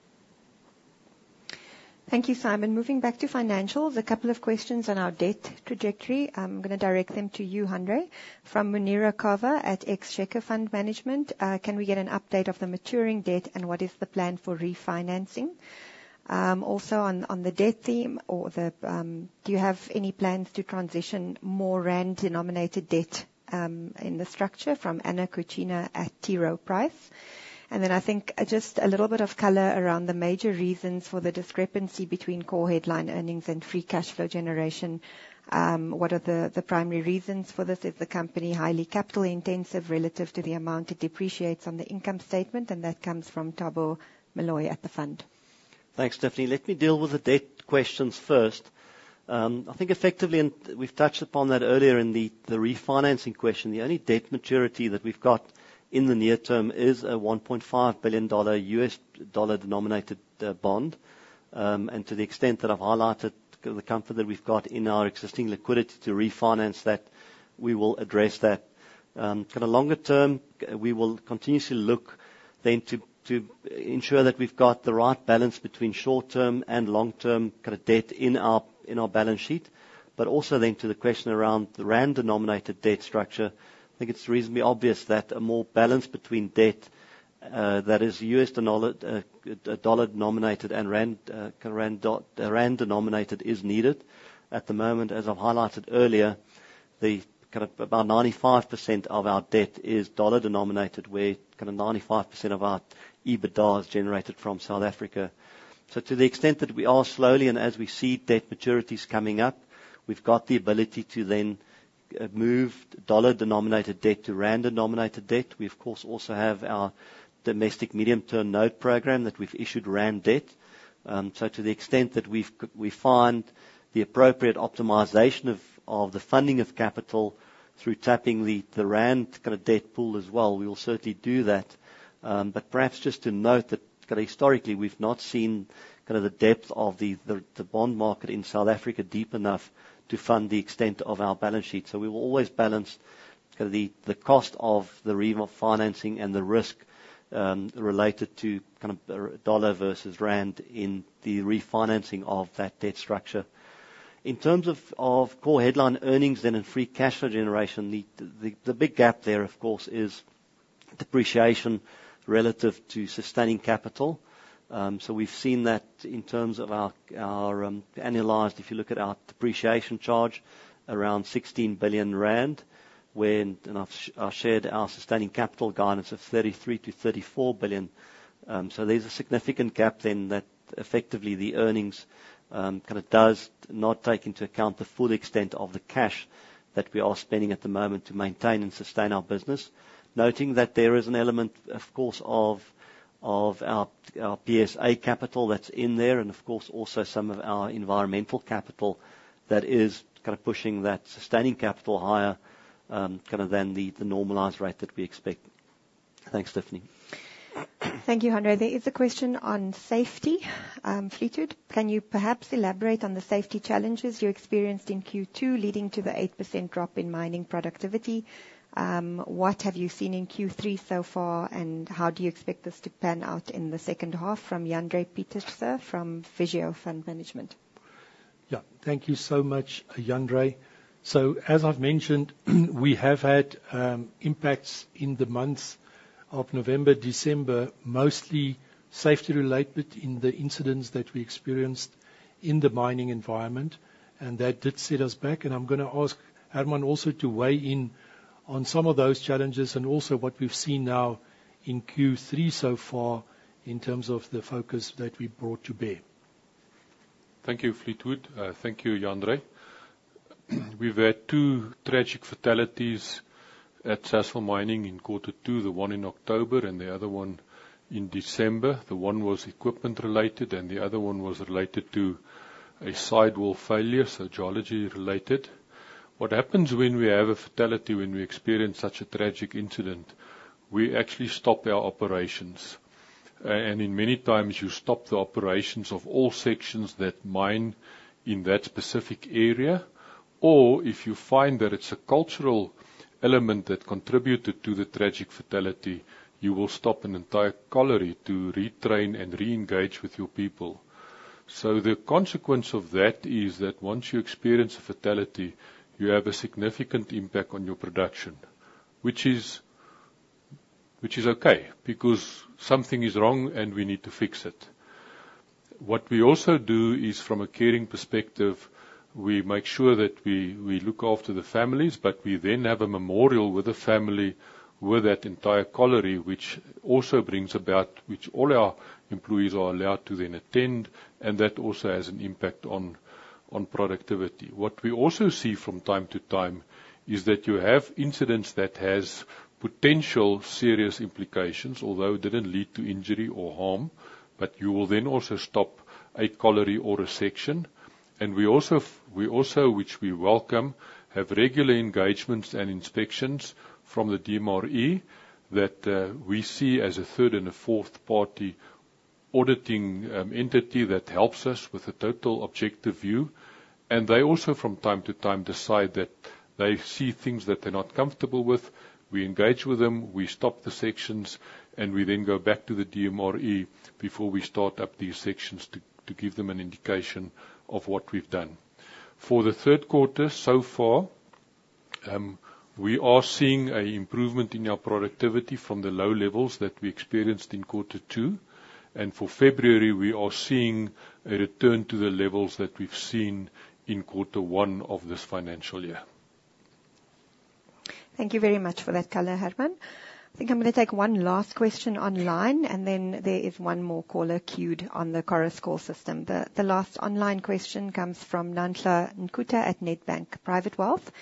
Thank you, Simon. Moving back to financials, a couple of questions on our debt trajectory. I'm gonna direct them to you, Hanré. From Munira Carver at Exceed Fund Management. "Can we get an update of the maturing debt, and what is the plan for refinancing? Also on the debt theme, do you have any plans to transition more rand-denominated debt in the structure?" From Anna Coutinho at T. Rowe Price. Then I think just a little bit of color around the major reasons for the discrepancy between core headline earnings and free cash flow generation. What are the primary reasons for this? Is the company highly capital intensive relative to the amount it depreciates on the income statement? And that comes from Thabo Moloi at the Fund. Thanks, Tiffany. Let me deal with the debt questions first. I think effectively, and we've touched upon that earlier in the refinancing question, the only debt maturity that we've got in the near term is a $1.5 billion US dollar-denominated bond. And to the extent that I've highlighted the comfort that we've got in our existing liquidity to refinance that, we will address that. Kind of longer term, we will continuously look then to ensure that we've got the right balance between short-term and long-term, kind of, debt in our balance sheet. But also then to the question around the rand-denominated debt structure, I think it's reasonably obvious that a more balance between debt that is US dollar-denominated and rand-denominated is needed. At the moment, as I've highlighted earlier, the kind of about 95% of our debt is dollar-denominated, where kind of 95% of our EBITDA is generated from South Africa. So to the extent that we are slowly, and as we see debt maturities coming up, we've got the ability to then move dollar-denominated debt to rand-denominated debt. We, of course, also have our domestic medium-term note program that we've issued rand debt. So to the extent that we find the appropriate optimization of the funding of capital through tapping the rand kind of debt pool as well, we will certainly do that. But perhaps just to note that kind of historically, we've not seen the depth of the bond market in South Africa deep enough to fund the extent of our balance sheet. So we will always balance, kind of, the cost of the financing and the risk, related to, kind of, dollar versus rand in the refinancing of that debt structure. In terms of core headline earnings then and free cash flow generation, the big gap there, of course, is depreciation relative to sustaining capital. So we've seen that in terms of our annualized, if you look at our depreciation charge, around 16 billion rand, when... And I've shared our sustaining capital guidance of 33-34 billion. So there's a significant gap then, that effectively the earnings, kind of, does not take into account the full extent of the cash that we are spending at the moment to maintain and sustain our business. Noting that there is an element, of course, of our PSA capital that's in there, and of course, also some of our environmental capital that is, kind of, pushing that sustaining capital higher, kind of, than the normalized rate that we expect. Thanks, Tiffany. Thank you, Hanré. There is a question on safety. Fleetwood: "Can you perhaps elaborate on the safety challenges you experienced in Q2, leading to the 8% drop in mining productivity? What have you seen in Q3 so far, and how do you expect this to pan out in the second half?" From Jandré Pieterse, from Visio Fund Management. Yeah. Thank you so much, Jandré. So as I've mentioned, we have had impacts in the months of November, December, mostly safety-related in the incidents that we experienced in the mining environment, and that did set us back. And I'm gonna ask Hermann also to weigh in on some of those challenges and also what we've seen now in Q3 so far in terms of the focus that we brought to bear. Thank you, Fleetwood. Thank you, Jandré. We've had two tragic fatalities at Sasol mining in quarter two, the one in October and the other one in December. The one was equipment related, and the other one was related to a sidewall failure, so geology related. What happens when we have a fatality, when we experience such a tragic incident, we actually stop our operations. And in many times, you stop the operations of all sections that mine in that specific area, or if you find that it's a cultural element that contributed to the tragic fatality, you will stop an entire colliery to retrain and re-engage with your people. So the consequence of that is that once you experience a fatality, you have a significant impact on your production, which is, which is okay, because something is wrong, and we need to fix it. What we also do is, from a caring perspective, we make sure that we, we look after the families, but we then have a memorial with the family, with that entire colliery, which also brings about... Which all our employees are allowed to then attend, and that also has an impact on, on productivity. What we also see from time to time, is that you have incidents that has potential serious implications, although it didn't lead to injury or harm, but you will then also stop a colliery or a section. And we also, which we welcome, have regular engagements and inspections from the DMRE, that, we see as a third and a fourth party auditing, entity that helps us with a total objective view. And they also, from time to time, decide that they see things that they're not comfortable with. We engage with them, we stop the sections, and we then go back to the DMRE before we start up these sections, to give them an indication of what we've done. For the third quarter, so far, we are seeing a improvement in our productivity from the low levels that we experienced in quarter two, and for February, we are seeing a return to the levels that we've seen in quarter one of this financial year. Thank you very much for that color, Herman. I think I'm gonna take one last question online, and then there is one more caller queued on the Chorus Call system. The last online question comes from Nhlanhla Nkuta at Nedbank Private Wealth.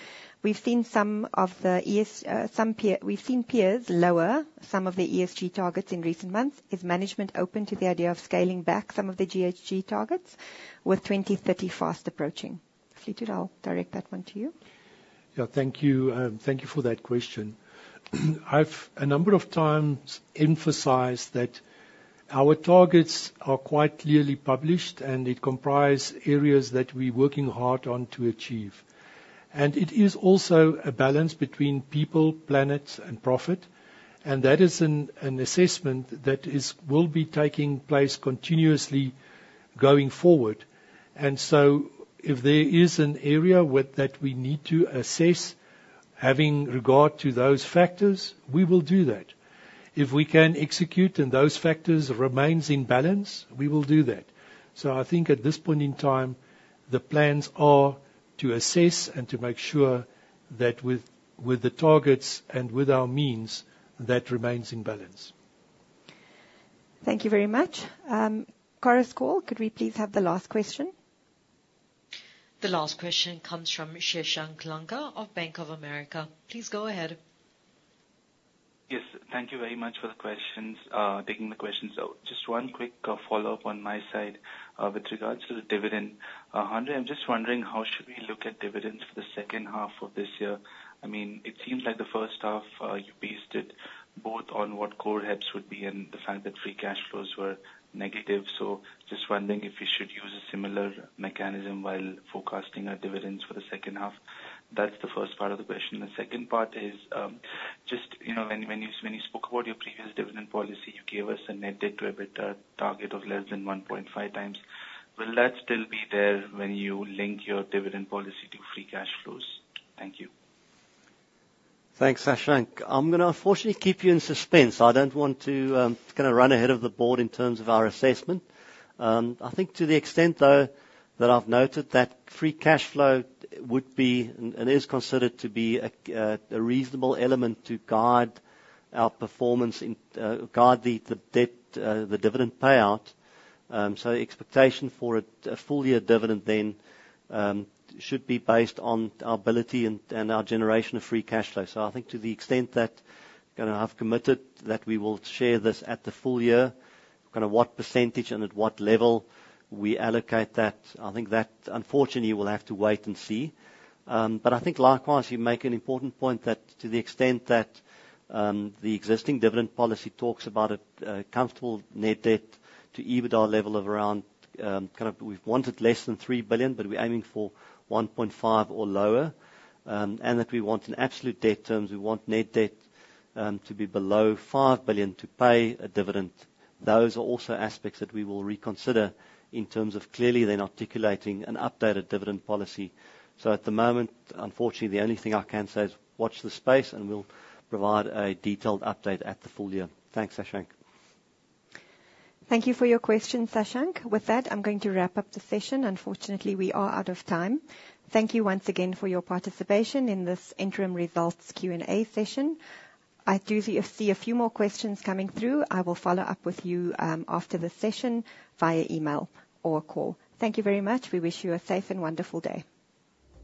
We've seen some of the ESG peers lower some of their ESG targets in recent months. Is management open to the idea of scaling back some of the GHG targets with 2030 fast approaching? Fleetwood, I'll direct that one to you. Yeah, thank you. Thank you for that question. I've a number of times emphasized that our targets are quite clearly published, and they comprise areas that we're working hard on to achieve. And it is also a balance between people, planet, and profit, and that is an assessment that will be taking place continuously going forward. And so if there is an area with that, we need to assess, having regard to those factors, we will do that. If we can execute and those factors remains in balance, we will do that. So I think at this point in time, the plans are to assess and to make sure that with the targets and with our means, that remains in balance. Thank you very much. Chorus Call, could we please have the last question? The last question comes from Sashank Lanka of Bank of America. Please go ahead. Yes, thank you very much for the questions, taking the questions. So just one quick, follow-up on my side. With regards to the dividend. Jandré, I'm just wondering, how should we look at dividends for the second half of this year? I mean, it seems like the first half, you based it both on what Core HEPS would be and the fact that free cash flows were negative. So just wondering if you should use a similar mechanism while forecasting our dividends for the second half? That's the first part of the question. The second part is, just, you know, when, when you, when you spoke about your previous dividend policy, you gave us a net debt to EBITDA target of less than 1.5x. Will that still be there when you link your dividend policy to free cash flows? Thank you. Thanks, Shashank. I'm gonna unfortunately keep you in suspense. I don't want to kinda run ahead of the board in terms of our assessment. I think to the extent, though, that I've noted that free cash flow would be, and is considered to be a reasonable element to guide our performance in guide the debt, the dividend payout. So expectation for a full year dividend then should be based on our ability and our generation of free cash flow. So I think to the extent that gonna have committed that we will share this at the full year, kinda what percentage and at what level we allocate that, I think that, unfortunately, we'll have to wait and see. But I think likewise, you make an important point that to the extent that, the existing dividend policy talks about a comfortable net debt to EBITDA level of around, kind of we've wanted less than $3 billion, but we're aiming for 1.5x or lower. And that we want in absolute debt terms, we want net debt to be below $5 billion, to pay a dividend. Those are also aspects that we will reconsider in terms of clearly then articulating an updated dividend policy. So at the moment, unfortunately, the only thing I can say is, watch this space, and we'll provide a detailed update at the full year. Thanks, Sashank. Thank you for your question, Sashank. With that, I'm going to wrap up the session. Unfortunately, we are out of time. Thank you once again for your participation in this interim results Q&A session. I do see a few more questions coming through. I will follow up with you after the session via email or a call. Thank you very much. We wish you a safe and wonderful day.